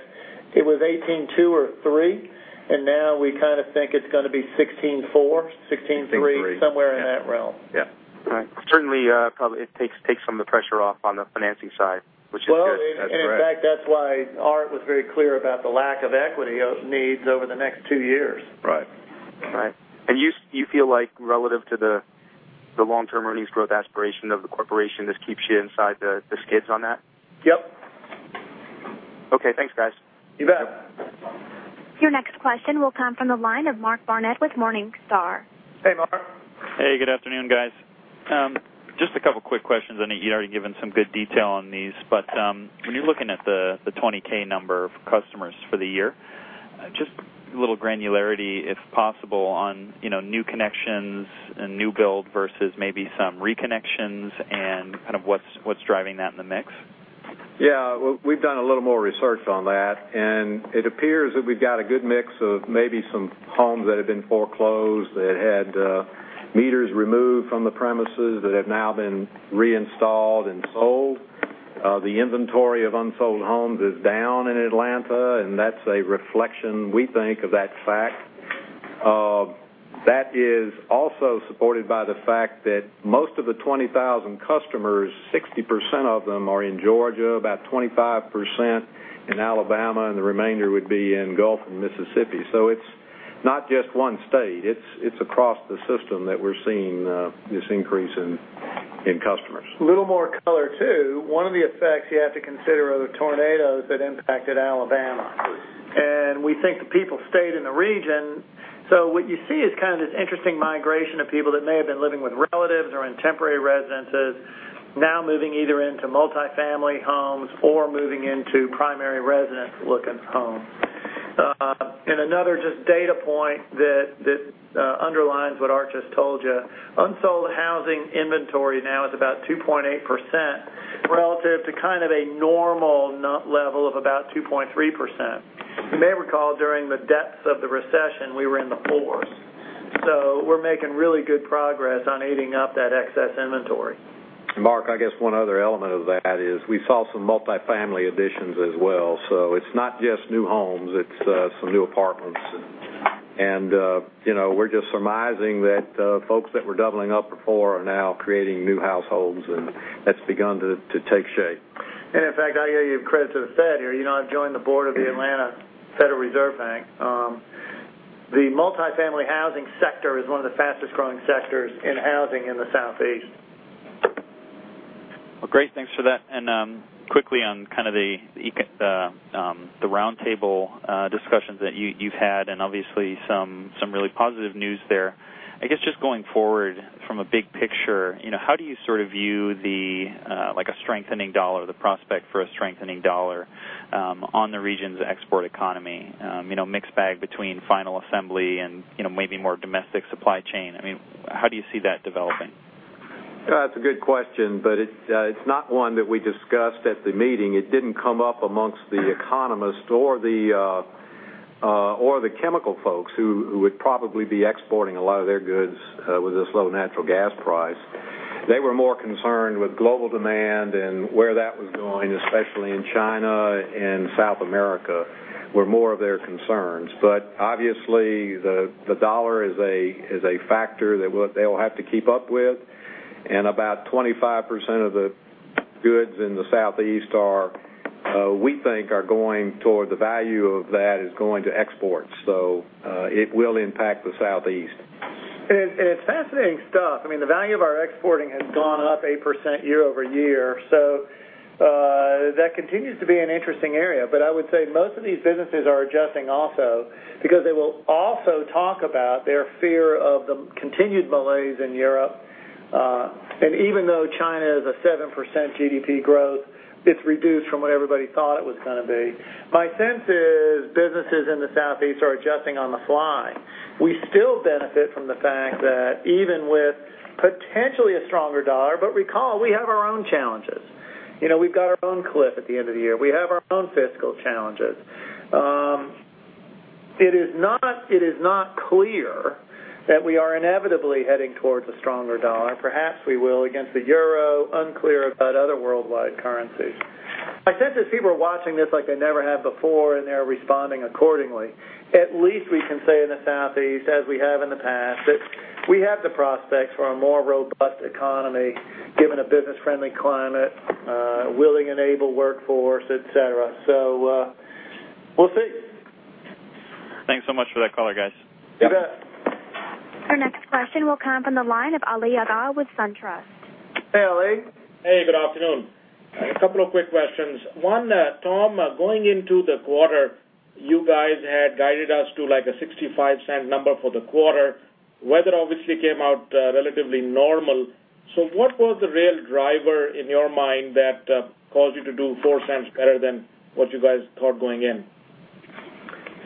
it was $18.2 billion or $18.3 billion, now we think it's going to be $16.4 billion, $16.3 billion- I think three. somewhere in that realm. Yeah. All right. Certainly, probably it takes some of the pressure off on the financing side, which is good. Well, in fact, that's why Art was very clear about the lack of equity needs over the next two years. Right. Right. You feel like relative to the long-term earnings growth aspiration of the corporation, this keeps you inside the skids on that? Yep. Okay, thanks guys. You bet. Your next question will come from the line of Mark Barnett with Morningstar. Hey, Mark. Hey, good afternoon, guys. Just a couple quick questions. I know you've already given some good detail on these. When you're looking at the 20,000 number of customers for the year, just a little granularity if possible on new connections and new build versus maybe some reconnections and what's driving that in the mix. Yeah. Well, we've done a little more research on that. It appears that we've got a good mix of maybe some homes that have been foreclosed that had meters removed from the premises that have now been reinstalled and sold. The inventory of unsold homes is down in Atlanta, and that's a reflection, we think, of that fact. That is also supported by the fact that most of the 20,000 customers, 60% of them are in Georgia, about 25% in Alabama, and the remainder would be in Gulf and Mississippi. It's not just one state. It's across the system that we're seeing this increase in customers. A little more color, too. One of the effects you have to consider are the tornadoes that impacted Alabama. We think the people stayed in the region. What you see is this interesting migration of people that may have been living with relatives or in temporary residences now moving either into multi-family homes or moving into primary residence-looking homes. Another just data point that underlines what Art just told you. Unsold housing inventory now is about 2.8% relative to a normal level of about 2.3%. You may recall during the depths of the recession, we were in the fours. We're making really good progress on eating up that excess inventory. Mark, I guess one other element of that is we saw some multi-family additions as well. It's not just new homes, it's some new apartments. We're just surmising that folks that were doubling up before are now creating new households, and that's begun to take shape. In fact, I give credit to the Fed here. I've joined the board of the Federal Reserve Bank of Atlanta. The multi-family housing sector is one of the fastest-growing sectors in housing in the Southeast. Well, great. Thanks for that. Quickly on the round table discussions that you've had, and obviously some really positive news there. I guess, just going forward from a big picture, how do you view a strengthening dollar, the prospect for a strengthening dollar on the region's export economy? Mixed bag between final assembly and maybe more domestic supply chain. How do you see that developing? That's a good question, but it's not one that we discussed at the meeting. It didn't come up amongst the economists or the chemical folks who would probably be exporting a lot of their goods with this low natural gas price. They were more concerned with global demand and where that was going, especially in China and South America, were more of their concerns. Obviously, the dollar is a factor that they'll have to keep up with. About 25% of the goods in the Southeast are, we think, the value of that is going to exports. It will impact the Southeast. It's fascinating stuff. The value of our exporting has gone up 8% year-over-year. That continues to be an interesting area. I would say most of these businesses are adjusting also because they will also talk about their fear of the continued malaise in Europe. Even though China has a 7% GDP growth, it's reduced from what everybody thought it was going to be. My sense is businesses in the Southeast are adjusting on the fly. We still benefit from the fact that even with potentially a stronger dollar, but recall, we have our own challenges. We've got our own cliff at the end of the year. We have our own fiscal challenges. It is not clear that we are inevitably heading towards a stronger dollar. Perhaps we will against the euro, unclear about other worldwide currencies. My sense is people are watching this like they never have before, and they're responding accordingly. At least we can say in the Southeast, as we have in the past, that we have the prospects for a more robust economy, given a business-friendly climate, a willing and able workforce, et cetera. We'll see. Thanks so much for that color, guys. You bet. Our next question will come from the line of Ali Agha with SunTrust. Hey, Ali. Hey, good afternoon. A couple of quick questions. One, Tom, going into the quarter, you guys had guided us to a $0.65 number for the quarter. Weather obviously came out relatively normal. What was the real driver in your mind that caused you to do $0.04 better than what you guys thought going in?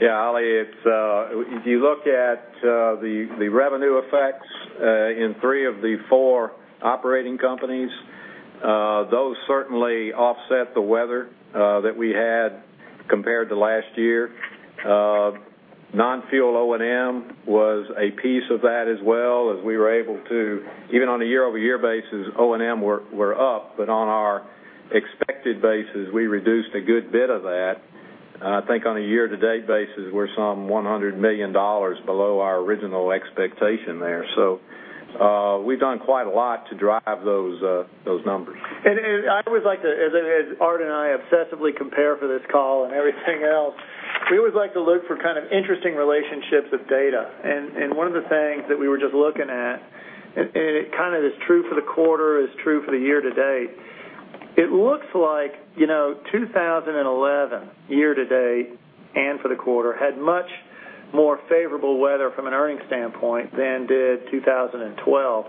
Yeah, Ali, if you look at the revenue effects in three of the four operating companies, those certainly offset the weather that we had compared to last year. Non-fuel O&M was a piece of that as well, as we were able to, even on a year-over-year basis, O&M were up, but on our expected basis, we reduced a good bit of that. I think on a year-to-date basis, we're some $100 million below our original expectation there. We've done quite a lot to drive those numbers. I always like to, as Art and I obsessively compare for this call and everything else, we always like to look for kind of interesting relationships with data. One of the things that we were just looking at, and it is true for the quarter, it's true for the year-to-date. It looks like 2011, year-to-date and for the quarter, had much more favorable weather from an earnings standpoint than did 2012.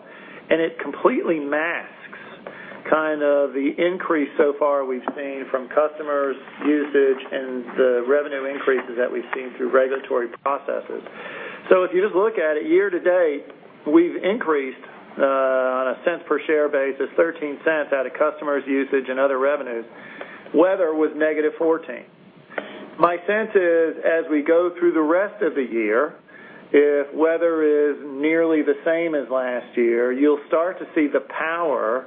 It completely masks the increase so far we've seen from customers' usage and the revenue increases that we've seen through regulatory processes. If you just look at it year-to-date, we've increased on a cents per share basis $0.13 out of customers' usage and other revenues. Weather was negative $0.14. My sense is, as we go through the rest of the year, if weather is nearly the same as last year, you'll start to see the power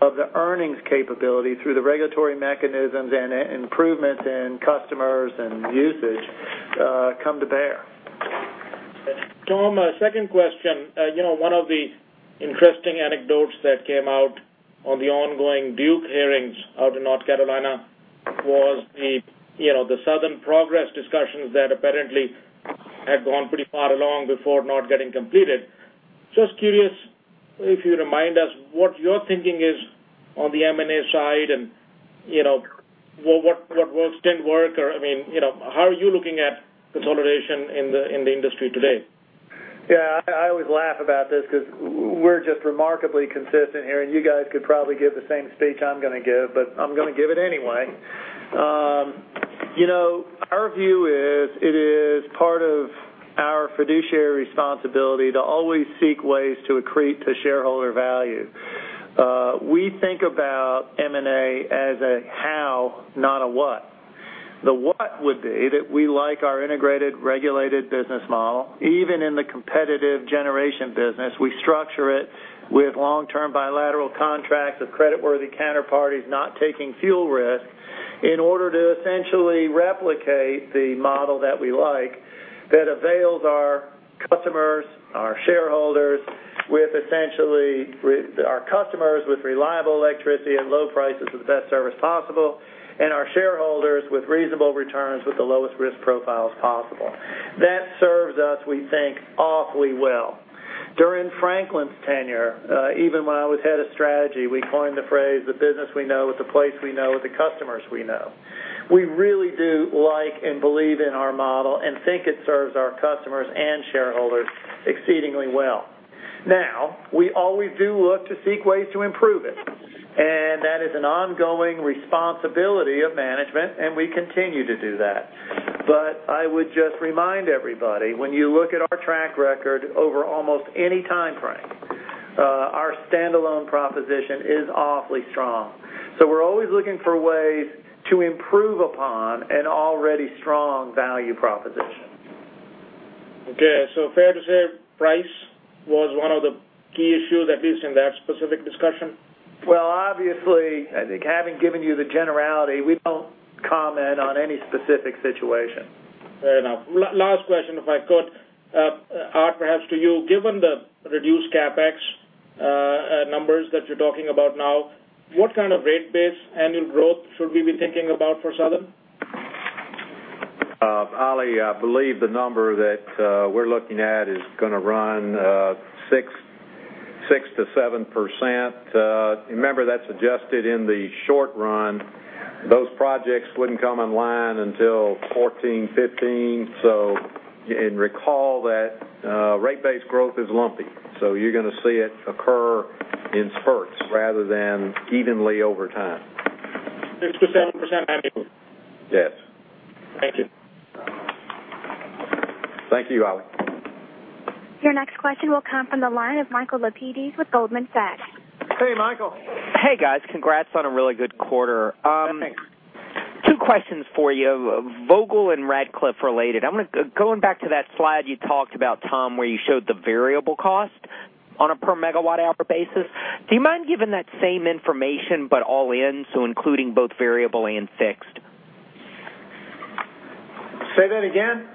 of the earnings capability through the regulatory mechanisms and improvements in customers and usage come to bear. Tom, second question. One of the interesting anecdotes that came out on the ongoing Duke hearings out in North Carolina was the Southern Progress discussions that apparently had gone pretty far along before not getting completed. Just curious if you remind us what your thinking is on the M&A side and what did work or how are you looking at consolidation in the industry today? Yeah, I always laugh about this because we're just remarkably consistent here, and you guys could probably give the same speech I'm going to give, but I'm going to give it anyway. Our view is it is part of our fiduciary responsibility to always seek ways to accrete to shareholder value. We think about M&A as a how, not a what. The what would be that we like our integrated regulated business model. Even in the competitive generation business, we structure it with long-term bilateral contracts with creditworthy counterparties not taking fuel risk in order to essentially replicate the model that we like that avails our customers, our shareholders with reliable electricity at low prices for the best service possible, and our shareholders with reasonable returns with the lowest risk profiles possible. That serves us, we think, awfully well. During Franklin's tenure, even when I was head of strategy, we coined the phrase, the business we know with the place we know with the customers we know. We really do like and believe in our model and think it serves our customers and shareholders exceedingly well. Now, we always do look to seek ways to improve it, and that is an ongoing responsibility of management, and we continue to do that. I would just remind everybody, when you look at our track record over almost any time frame, our standalone proposition is awfully strong. We're always looking for ways to improve upon an already strong value proposition. Okay, fair to say price was one of the key issues at least in that specific discussion? Well, obviously, I think having given you the generality, we don't comment on any specific situation. Fair enough. Last question, if I could. Art, perhaps to you. Given the reduced CapEx numbers that you're talking about now, what kind of rate base annual growth should we be thinking about for Southern? Ali, I believe the number that we're looking at is going to run 6%-7%. Remember, that's adjusted in the short run. Those projects wouldn't come online until 2014, 2015. Recall that rate base growth is lumpy. You're going to see it occur in spurts rather than evenly over time. 6% to 7% annual? Yes. Thank you. Thank you, Ali. Your next question will come from the line of Michael Lapides with Goldman Sachs. Hey, Michael. Hey, guys. Congrats on a really good quarter. Thanks. Two questions for you, Vogtle and Ratcliffe related. Going back to that slide you talked about, Tom, where you showed the variable cost on a per megawatt hour basis. Do you mind giving that same information but all in, so including both variable and fixed? Say that again?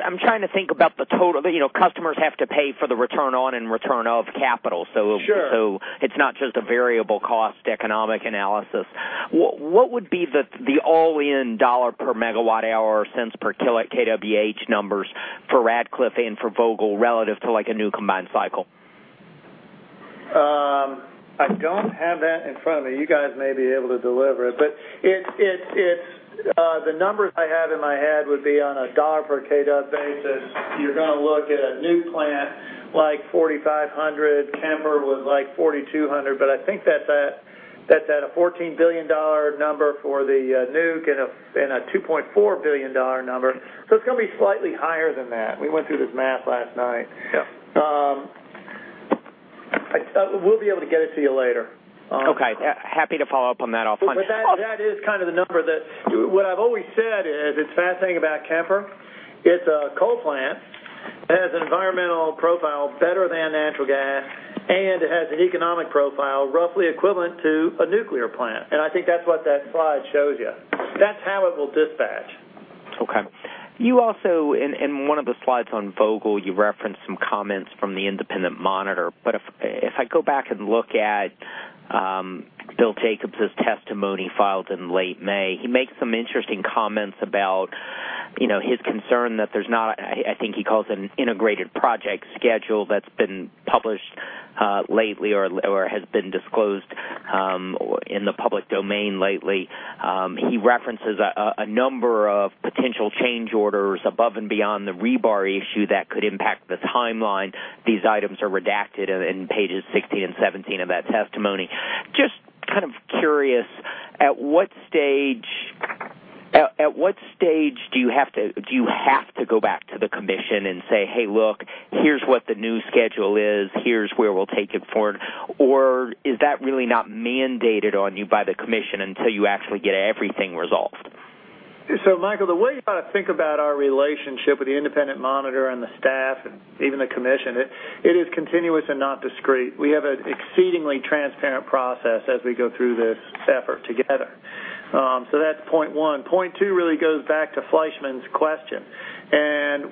I'm trying to think about the total. Customers have to pay for the return on and return of capital. Sure. It's not just a variable cost economic analysis. What would be the all-in dollar per megawatt hour or cents per kWh numbers for Plant Ratcliffe and for Vogtle relative to a new combined cycle? I don't have that in front of me. You guys may be able to deliver it. The numbers I have in my head would be on a dollar per kW basis. You're going to look at a nuke plant, like 4,500. Kemper was like 4,200. I think that's at a $14 billion number for the nuke and a $2.4 billion number. It's going to be slightly higher than that. We went through this math last night. Yeah. We'll be able to get it to you later. Okay. Happy to follow up on that. That is kind of the number. What I've always said is, it's fascinating about Kemper. It's a coal plant. It has an environmental profile better than natural gas, and it has an economic profile roughly equivalent to a nuclear plant. I think that's what that slide shows you. That's how it will dispatch. Okay. You also, in one of the slides on Vogtle, you referenced some comments from the independent monitor. If I go back and look at Bill Jacobs's testimony filed in late May, he makes some interesting comments about his concern that there's not, I think he calls it an integrated project schedule that's been published lately or has been disclosed in the public domain lately. He references a number of potential change orders above and beyond the rebar issue that could impact the timeline. These items are redacted in pages 16 and 17 of that testimony. Just kind of curious, at what stage do you have to go back to the Commission and say, "Hey, look, here's what the new schedule is. Here's where we'll take it forward." Is that really not mandated on you by the Commission until you actually get everything resolved? Michael, the way you ought to think about our relationship with the independent monitor and the staff and even the Commission, it is continuous and not discreet. We have an exceedingly transparent process as we go through this effort together. That's point 1. Point 2 really goes back to Fleishman's question.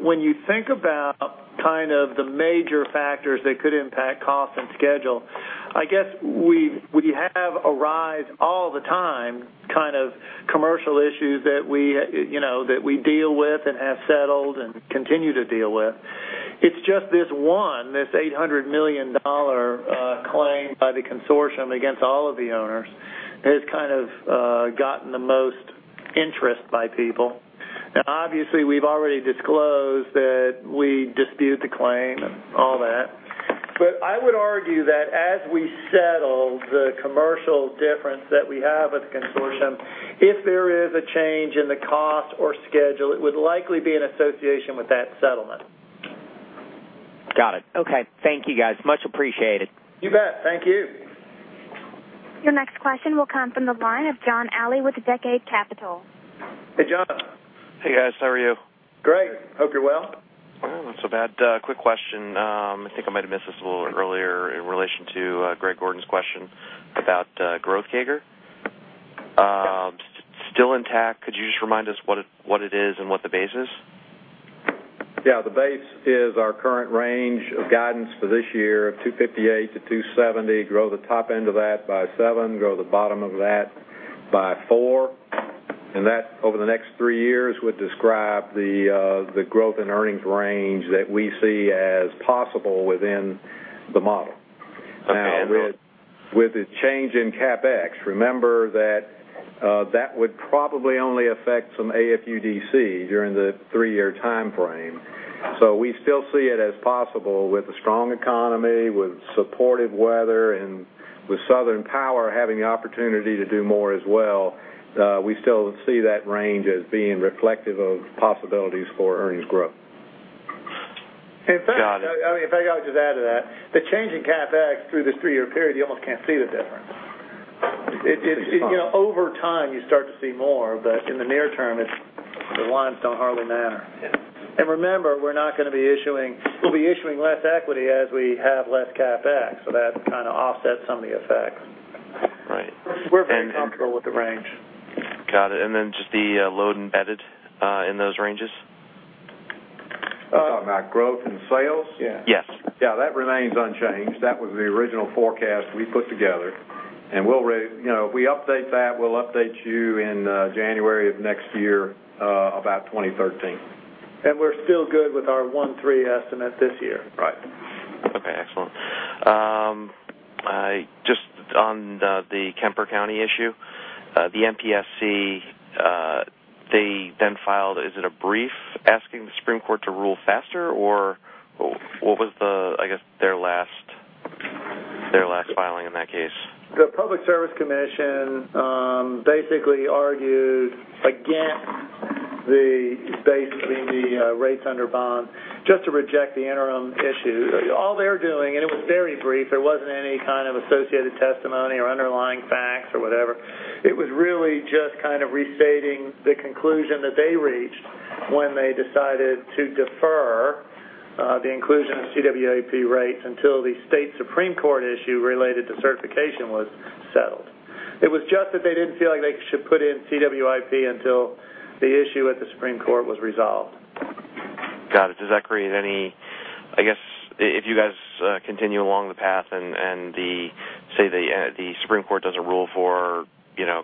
When you think about kind of the major factors that could impact cost and schedule, I guess we have arise all the time commercial issues that we deal with and have settled and continue to deal with. It's just this one, this $800 million claim by the consortium against all of the owners, has kind of gotten the most interest by people. Obviously, we've already disclosed that we dispute the claim and all that. I would argue that as we settle the commercial difference that we have with the consortium, if there is a change in the cost or schedule, it would likely be in association with that settlement. Got it. Okay. Thank you, guys. Much appreciated. You bet. Thank you. Your next question will come from the line of John Alley with Decade Capital. Hey, John. Hey, guys. How are you? Great. Hope you're well. Not so bad. Quick question. I think I might have missed this a little earlier in relation to Greg Gordon's question about growth CAGR. Still intact? Could you just remind us what it is and what the base is? Yeah, the base is our current range of guidance for this year of $2.58-$2.70. Grow the top end of that by seven, grow the bottom of that by four. That, over the next three years, would describe the growth in earnings range that we see as possible within the model. Okay. Now, with the change in CapEx, remember that that would probably only affect some AFUDCs during the three-year timeframe. We still see it as possible with the strong economy, with supportive weather, and with Southern Power having the opportunity to do more as well. We still see that range as being reflective of possibilities for earnings growth. Got it. In fact, if I could just add to that, the change in CapEx through this three-year period, you almost can't see the difference. Over time, you start to see more, but in the near term, the lines don't hardly matter. Yeah. Remember, we'll be issuing less equity as we have less CapEx, so that kind of offsets some of the effects. Right. We're very comfortable with the range. Got it. Then just the load embedded in those ranges? You're talking about growth and sales? Yes. Yeah, that remains unchanged. That was the original forecast we put together. If we update that, we'll update you in January of next year, about 2013. We're still good with our one three estimate this year. Right. Okay, excellent. Just on the Kemper County issue, the MPSC, they then filed, is it a brief asking the Supreme Court to rule faster, or what was their last filing in that case? The Public Service Commission basically argued against the rates under bond just to reject the interim issue. All they were doing, and it was very brief. There wasn't any kind of associated testimony or underlying facts or whatever. It was really just kind of restating the conclusion that they reached when they decided to defer the inclusion of CWIP rates until the State Supreme Court issue related to certification was settled. It was just that they didn't feel like they should put in CWIP until the issue at the Supreme Court was resolved. Got it. Does that create any? I guess, if you guys continue along the path and, say, the Supreme Court doesn't rule for,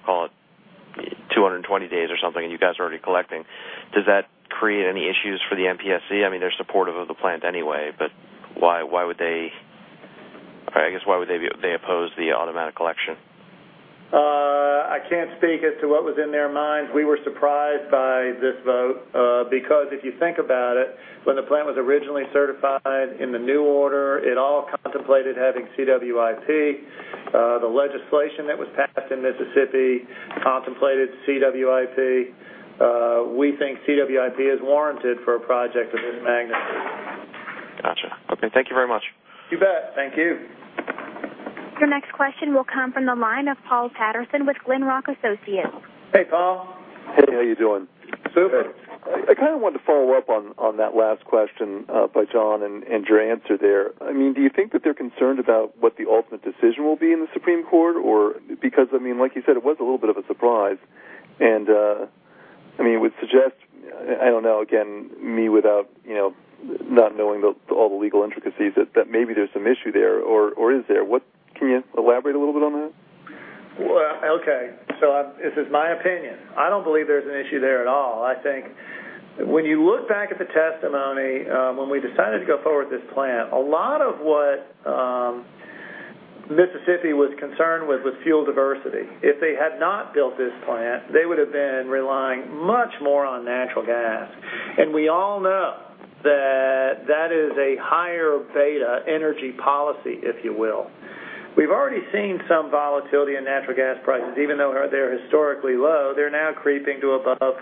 call it 120 days or something. You guys are already collecting. Does that create any issues for the MPSC? They're supportive of the plant anyway, but why would they oppose the automatic collection? I can't speak as to what was in their minds. We were surprised by this vote because if you think about it, when the plant was originally certified in the new order, it all contemplated having CWIP. The legislation that was passed in Mississippi contemplated CWIP. We think CWIP is warranted for a project of this magnitude. Got you. Okay. Thank you very much. You bet. Thank you. Your next question will come from the line of Paul Patterson with Glenrock Associates. Hey, Paul. Hey, how you doing? Good. I kind of wanted to follow up on that last question by John Alley and your answer there. Do you think that they're concerned about what the ultimate decision will be in the Mississippi Supreme Court? Like you said, it was a little bit of a surprise. It would suggest, I don't know, again, me not knowing all the legal intricacies, that maybe there's some issue there, or is there? Can you elaborate a little bit on that? Okay. This is my opinion. I don't believe there's an issue there at all. I think when you look back at the testimony when we decided to go forward with this plant, a lot of what Mississippi was concerned with was fuel diversity. If they had not built this plant, they would have been relying much more on natural gas. We all know that that is a higher beta energy policy, if you will. We've already seen some volatility in natural gas prices. Even though they're historically low, they're now creeping to above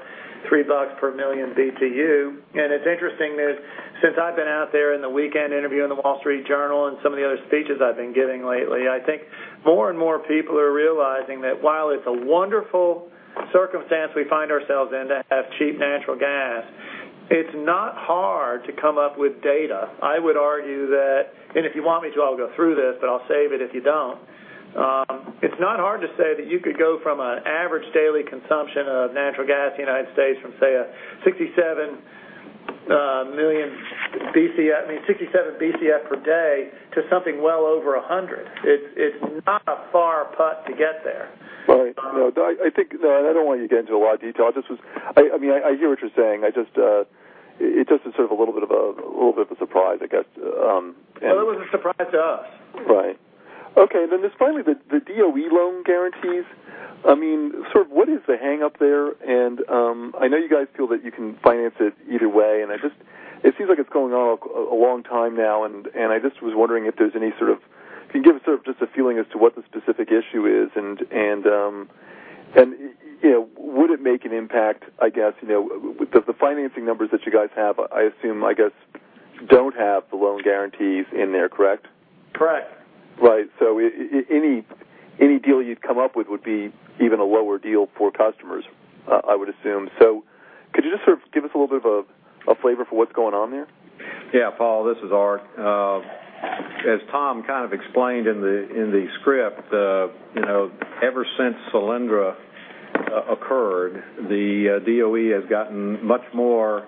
$3 per million BTU. It's interesting that since I've been out there in the weekend interview in The Wall Street Journal and some of the other speeches I've been giving lately, I think more and more people are realizing that while it's a wonderful circumstance we find ourselves in to have cheap natural gas, it's not hard to come up with data. I would argue that, and if you want me to, I'll go through this, but I'll save it if you don't. It's not hard to say that you could go from an average daily consumption of natural gas in the United States from, say, a 67 Bcf per day to something well over 100. It's not a far put to get there. Right. I think I don't want you to get into a lot of detail. I hear what you're saying. It just is sort of a little bit of a surprise, I guess. It was a surprise to us. Right. Okay. There's finally the DOE loan guarantees. What is the hang-up there? I know you guys feel that you can finance it either way, it seems like it's gone on a long time now, I just was wondering if you can give us just a feeling as to what the specific issue is, would it make an impact, I guess? The financing numbers that you guys have, I assume, I guess, don't have the loan guarantees in there, correct? Correct. Right. Any deal you'd come up with would be even a lower deal for customers, I would assume. Could you just sort of give us a little bit of a flavor for what's going on there? Yeah. Paul, this is Art. As Tom kind of explained in the script, ever since Solyndra occurred, the DOE has gotten much more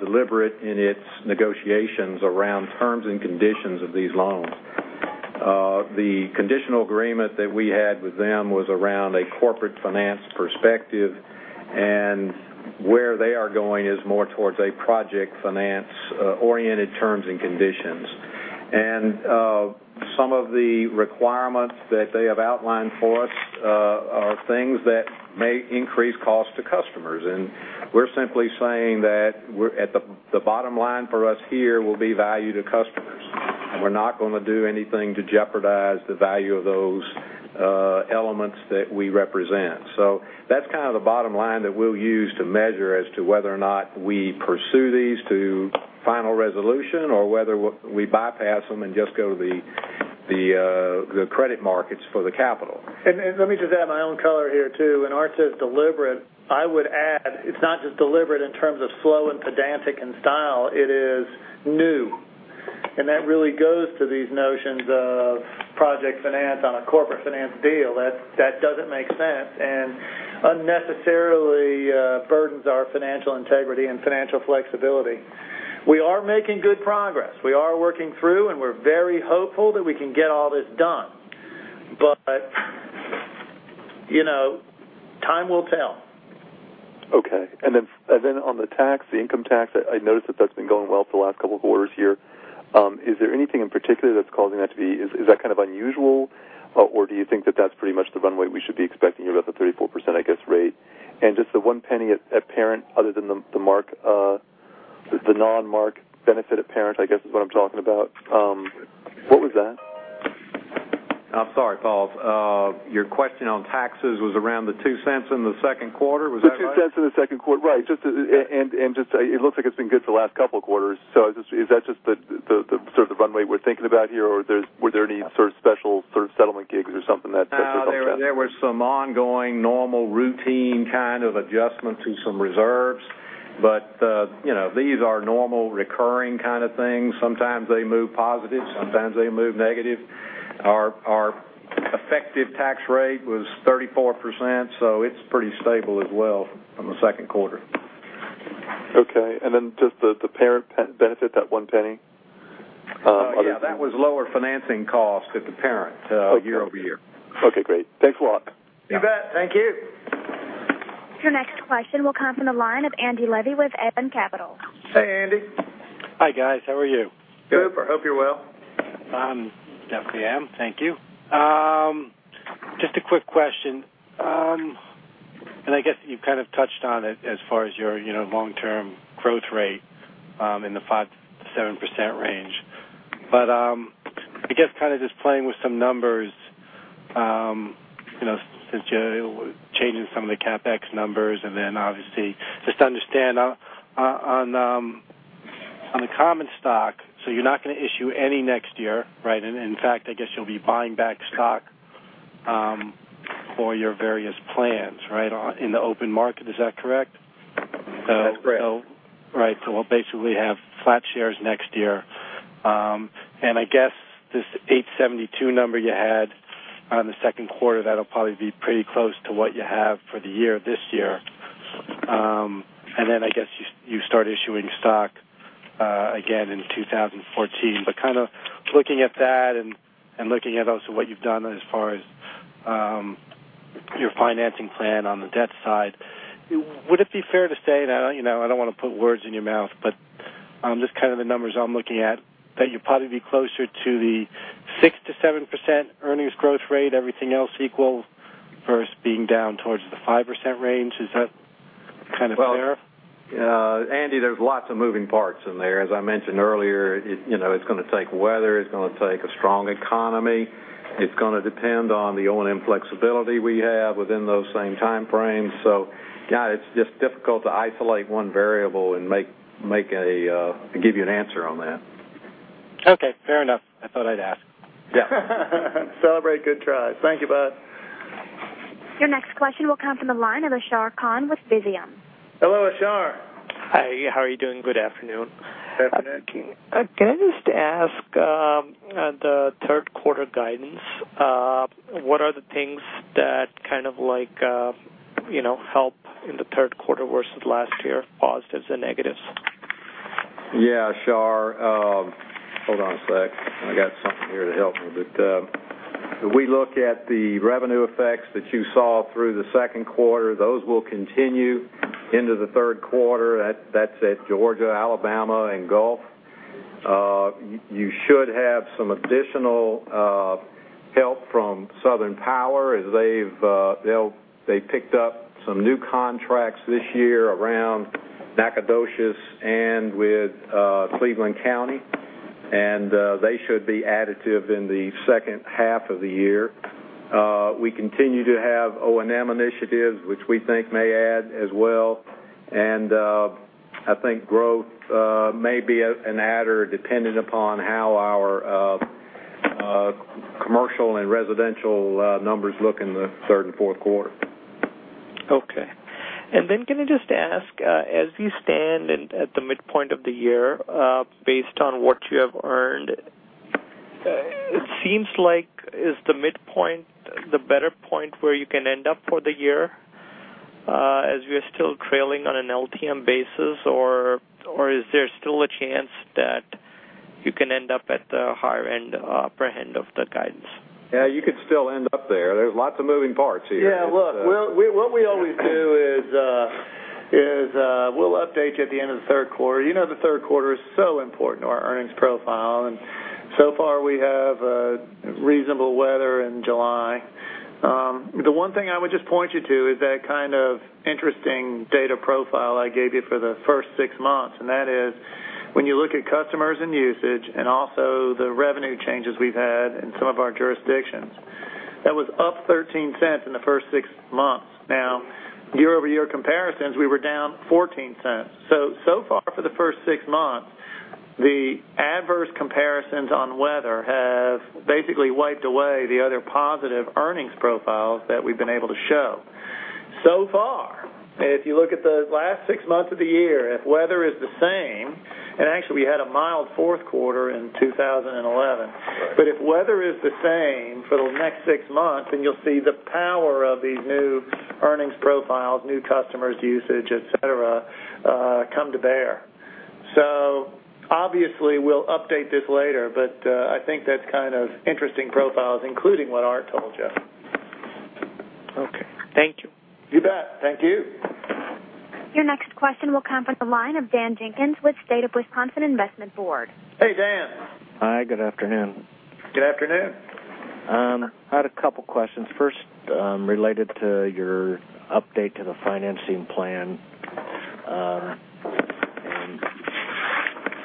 deliberate in its negotiations around terms and conditions of these loans. The conditional agreement that we had with them was around a corporate finance perspective, where they are going is more towards a project finance-oriented terms and conditions. Some of the requirements that they have outlined for us are things that may increase cost to customers. We're simply saying that the bottom line for us here will be value to customers. We're not going to do anything to jeopardize the value of those elements that we represent. That's kind of the bottom line that we'll use to measure as to whether or not we pursue these to final resolution or whether we bypass them and just go to the credit markets for the capital. Let me just add my own color here, too. When Art says deliberate, I would add, it's not just deliberate in terms of slow and pedantic in style. It is new. That really goes to these notions of project finance on a corporate finance deal. That doesn't make sense and unnecessarily burdens our financial integrity and financial flexibility. We are making good progress. We are working through, and we're very hopeful that we can get all this done. Time will tell. Okay. Then on the tax, the income tax, I noticed that's been going well for the last couple of quarters here. Is there anything in particular that's causing that to be unusual? Do you think that that's pretty much the runway we should be expecting here about the 34% I guess, rate? Just the $0.01 at parent other than the non-mark benefit at parent, I guess, is what I'm talking about. What was that? I'm sorry, Paul. Your question on taxes was around the $0.02 in the second quarter. Was that right? The $0.02 in the second quarter. Right. It looks like it's been good for the last couple of quarters. Is that just sort of the runway we're thinking about here, or were there any sort of special settlement gigs or something that helped that? There was some ongoing normal routine kind of adjustment to some reserves. These are normal recurring kind of things. Sometimes they move positive, sometimes they move negative. Our effective tax rate was 34%, so it's pretty stable as well from the second quarter. Okay. Just the parent benefit, that $0.01? Yeah, that was lower financing cost at the parent year-over-year. Okay, great. Thanks a lot. You bet. Thank you. Your next question will come from the line of Andy Levi with Evan Capital. Hey, Andy. Hi, guys. How are you? Good. Hope you're well. I definitely am. Thank you. Just a quick question. I guess you kind of touched on it as far as your long-term growth rate in the 5%-7% range. I guess kind of just playing with some numbers, since you're changing some of the CapEx numbers, then obviously just to understand on the common stock, you're not going to issue any next year, right? In fact, I guess you'll be buying back stock for your various plans right on in the open market. Is that correct? That's correct. Right. We'll basically have flat shares next year. I guess this 872 number you had on the second quarter, that'll probably be pretty close to what you have for the year this year. I guess you start issuing stock again in 2014. Kind of looking at that and looking at also what you've done as far as your financing plan on the debt side, would it be fair to say, I don't want to put words in your mouth, but just kind of the numbers I'm looking at, that you'll probably be closer to the 6%-7% earnings growth rate, everything else equal versus being down towards the 5% range. Is that kind of fair? Well, Andy, there's lots of moving parts in there. As I mentioned earlier, it's going to take weather, it's going to take a strong economy. It's going to depend on the O&M flexibility we have within those same time frames. Yeah, it's just difficult to isolate one variable and give you an answer on that. Okay, fair enough. I thought I'd ask. Yeah. Celebrate. Good try. Thank you, bud. Your next question will come from the line of Ashar Khan with Visium. Hello, Ashar. Hi, how are you doing? Good afternoon. Good afternoon. Can I just ask the third quarter guidance? What are the things that kind of help in the third quarter versus last year, positives and negatives? Yeah, Ashar. Hold on a sec. I got something here to help me. We look at the revenue effects that you saw through the second quarter. Those will continue into the third quarter. That's at Georgia, Alabama, and Gulf. You should have some additional help from Southern Power as they picked up some new contracts this year around Nacogdoches and with Cleveland County. They should be additive in the second half of the year. We continue to have O&M initiatives, which we think may add as well. I think growth may be an adder dependent upon how our commercial and residential numbers look in the third and fourth quarter. Okay. Can I just ask, as you stand at the midpoint of the year, based on what you have earned, it seems like is the midpoint the better point where you can end up for the year as you're still trailing on an LTM basis? Or is there still a chance that you can end up at the higher upper end of the guidance? Yeah, you could still end up there. There's lots of moving parts here. Yeah, look, what we always do is we'll update you at the end of the third quarter. You know the third quarter is so important to our earnings profile, so far we have reasonable weather in July. The one thing I would just point you to is that kind of interesting data profile I gave you for the first six months, that is when you look at customers and usage and also the revenue changes we've had in some of our jurisdictions. That was up $0.13 in the first six months. Now year-over-year comparisons, we were down $0.14. So far for the first six months, the adverse comparisons on weather have basically wiped away the other positive earnings profiles that we've been able to show. Far, if you look at the last six months of the year, if weather is the same, actually we had a mild fourth quarter in 2011. Right. If weather is the same for the next six months, you'll see the power of these new earnings profiles, new customers usage, et cetera, come to bear. Obviously we'll update this later, I think that's kind of interesting profiles, including what Art told you. Okay. Thank you. You bet. Thank you. Your next question will come from the line of Dan Jenkins with State of Wisconsin Investment Board. Hey, Dan. Hi, good afternoon. Good afternoon. I had a couple questions. First, related to your update to the financing plan.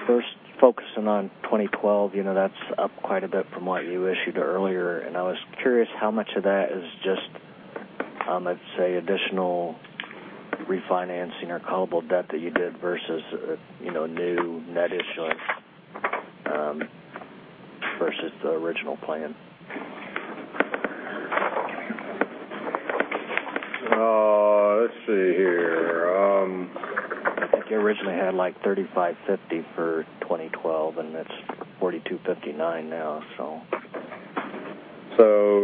First focusing on 2012, that's up quite a bit from what you issued earlier. I was curious how much of that is just, let's say, additional refinancing or callable debt that you did versus new net issuance versus the original plan. Let's see here. I think you originally had like $3,550 for 2012, and it's $4,259 now, so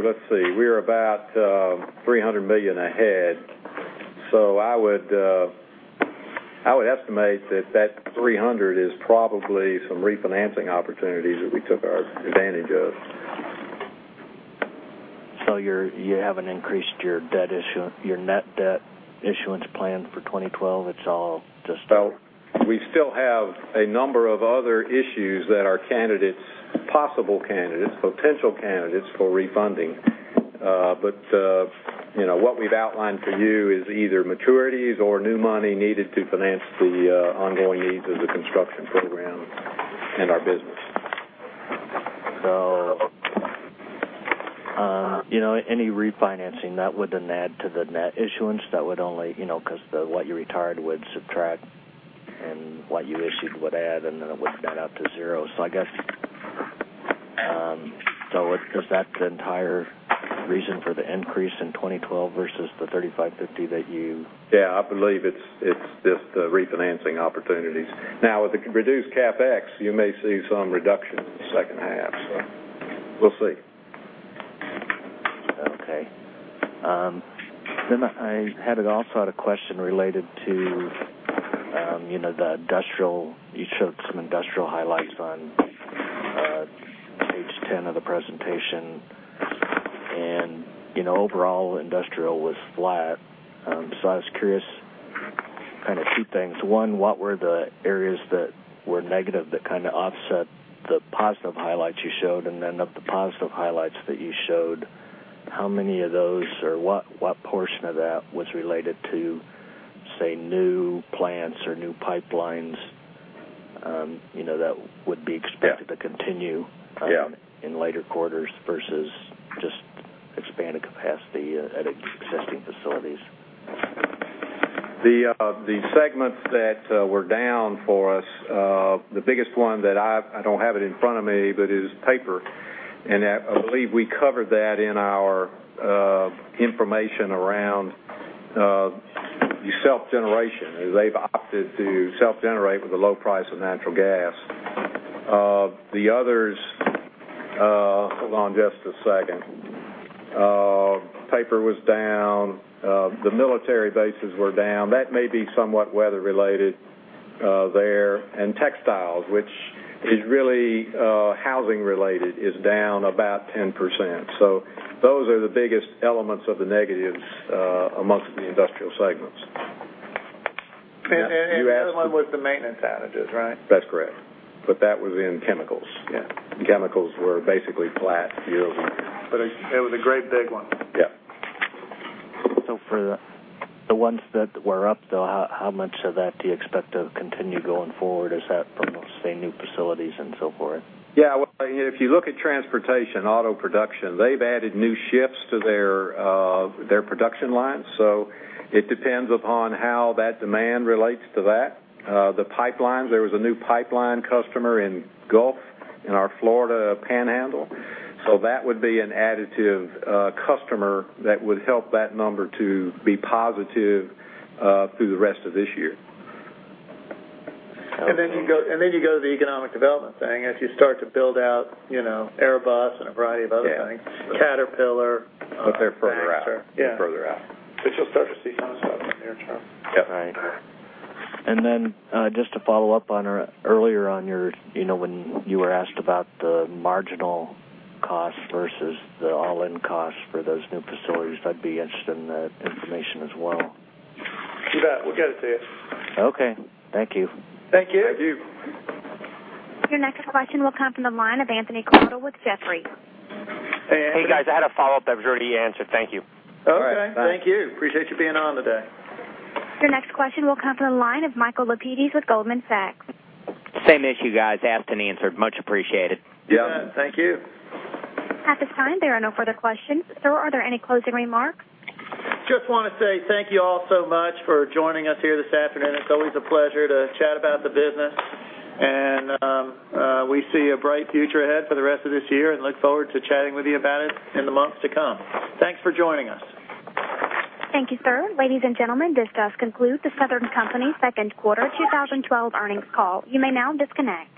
Let's see, we're about $300 million ahead. I would estimate that that $300 is probably some refinancing opportunities that we took advantage of. You haven't increased your net debt issuance plan for 2012? It's all just. We still have a number of other issues that are possible candidates, potential candidates for refunding. What we've outlined for you is either maturities or new money needed to finance the ongoing needs of the construction program and our business. Any refinancing that wouldn't add to the net issuance, because what you retired would subtract and what you issued would add, and then it would net out to 0. I guess, does that entire reason for the increase in 2012 versus the $35.50 that you. Yeah, I believe it's just the refinancing opportunities. With the reduced CapEx, you may see some reduction in the second half. We'll see. Okay. I also had a question related to the industrial. You showed some industrial highlights on page 10 of the presentation. Overall industrial was flat. I was curious kind of two things. One, what were the areas that were negative that kind of offset the positive highlights you showed? Of the positive highlights that you showed, how many of those or what portion of that was related to, say, new plants or new pipelines that would be expected to continue- Yeah in later quarters versus just expanded capacity at existing facilities? The segments that were down for us, the biggest one that I don't have it in front of me, but is paper. I believe we covered that in our information around the self-generation. They've opted to self-generate with the low price of natural gas. The others, hold on just a second. Paper was down. The military bases were down. That may be somewhat weather related there. Textiles, which is really housing related, is down about 10%. Those are the biggest elements of the negatives amongst the industrial segments. The other one was the maintenance outages, right? That's correct. That was in chemicals. Yeah. Chemicals were basically flat year-over-year. It was a great big one. Yeah. For the ones that were up though, how much of that do you expect to continue going forward? Is that from those same new facilities and so forth? If you look at transportation, auto production, they've added new shifts to their production lines. It depends upon how that demand relates to that. The pipelines, there was a new pipeline customer in Gulf in our Florida Panhandle. That would be an additive customer that would help that number to be positive through the rest of this year. You go to the economic development thing as you start to build out Airbus and a variety of other things. Yeah. Caterpillar. They're further out. Yeah. Further out. You'll start to see some stuff in the near term. Yeah. Right. Just to follow up on earlier when you were asked about the marginal cost versus the all-in cost for those new facilities, I'd be interested in that information as well. You bet. We'll get it to you. Okay. Thank you. Thank you. Thank you. Your next question will come from the line of Anthony Crowdell with Jefferies. Hey guys, I had a follow-up that was already answered. Thank you. Okay. All right. Thank you. Appreciate you being on today. Your next question will come to the line of Michael Lapides with Goldman Sachs. Same issue, guys. Asked and answered. Much appreciated. Yeah. Thank you. At this time, there are no further questions. Sir, are there any closing remarks? Just want to say thank you all so much for joining us here this afternoon. It's always a pleasure to chat about the business. We see a bright future ahead for the rest of this year and look forward to chatting with you about it in the months to come. Thanks for joining us. Thank you, sir. Ladies and gentlemen, this does conclude the Southern Company second quarter 2012 earnings call. You may now disconnect.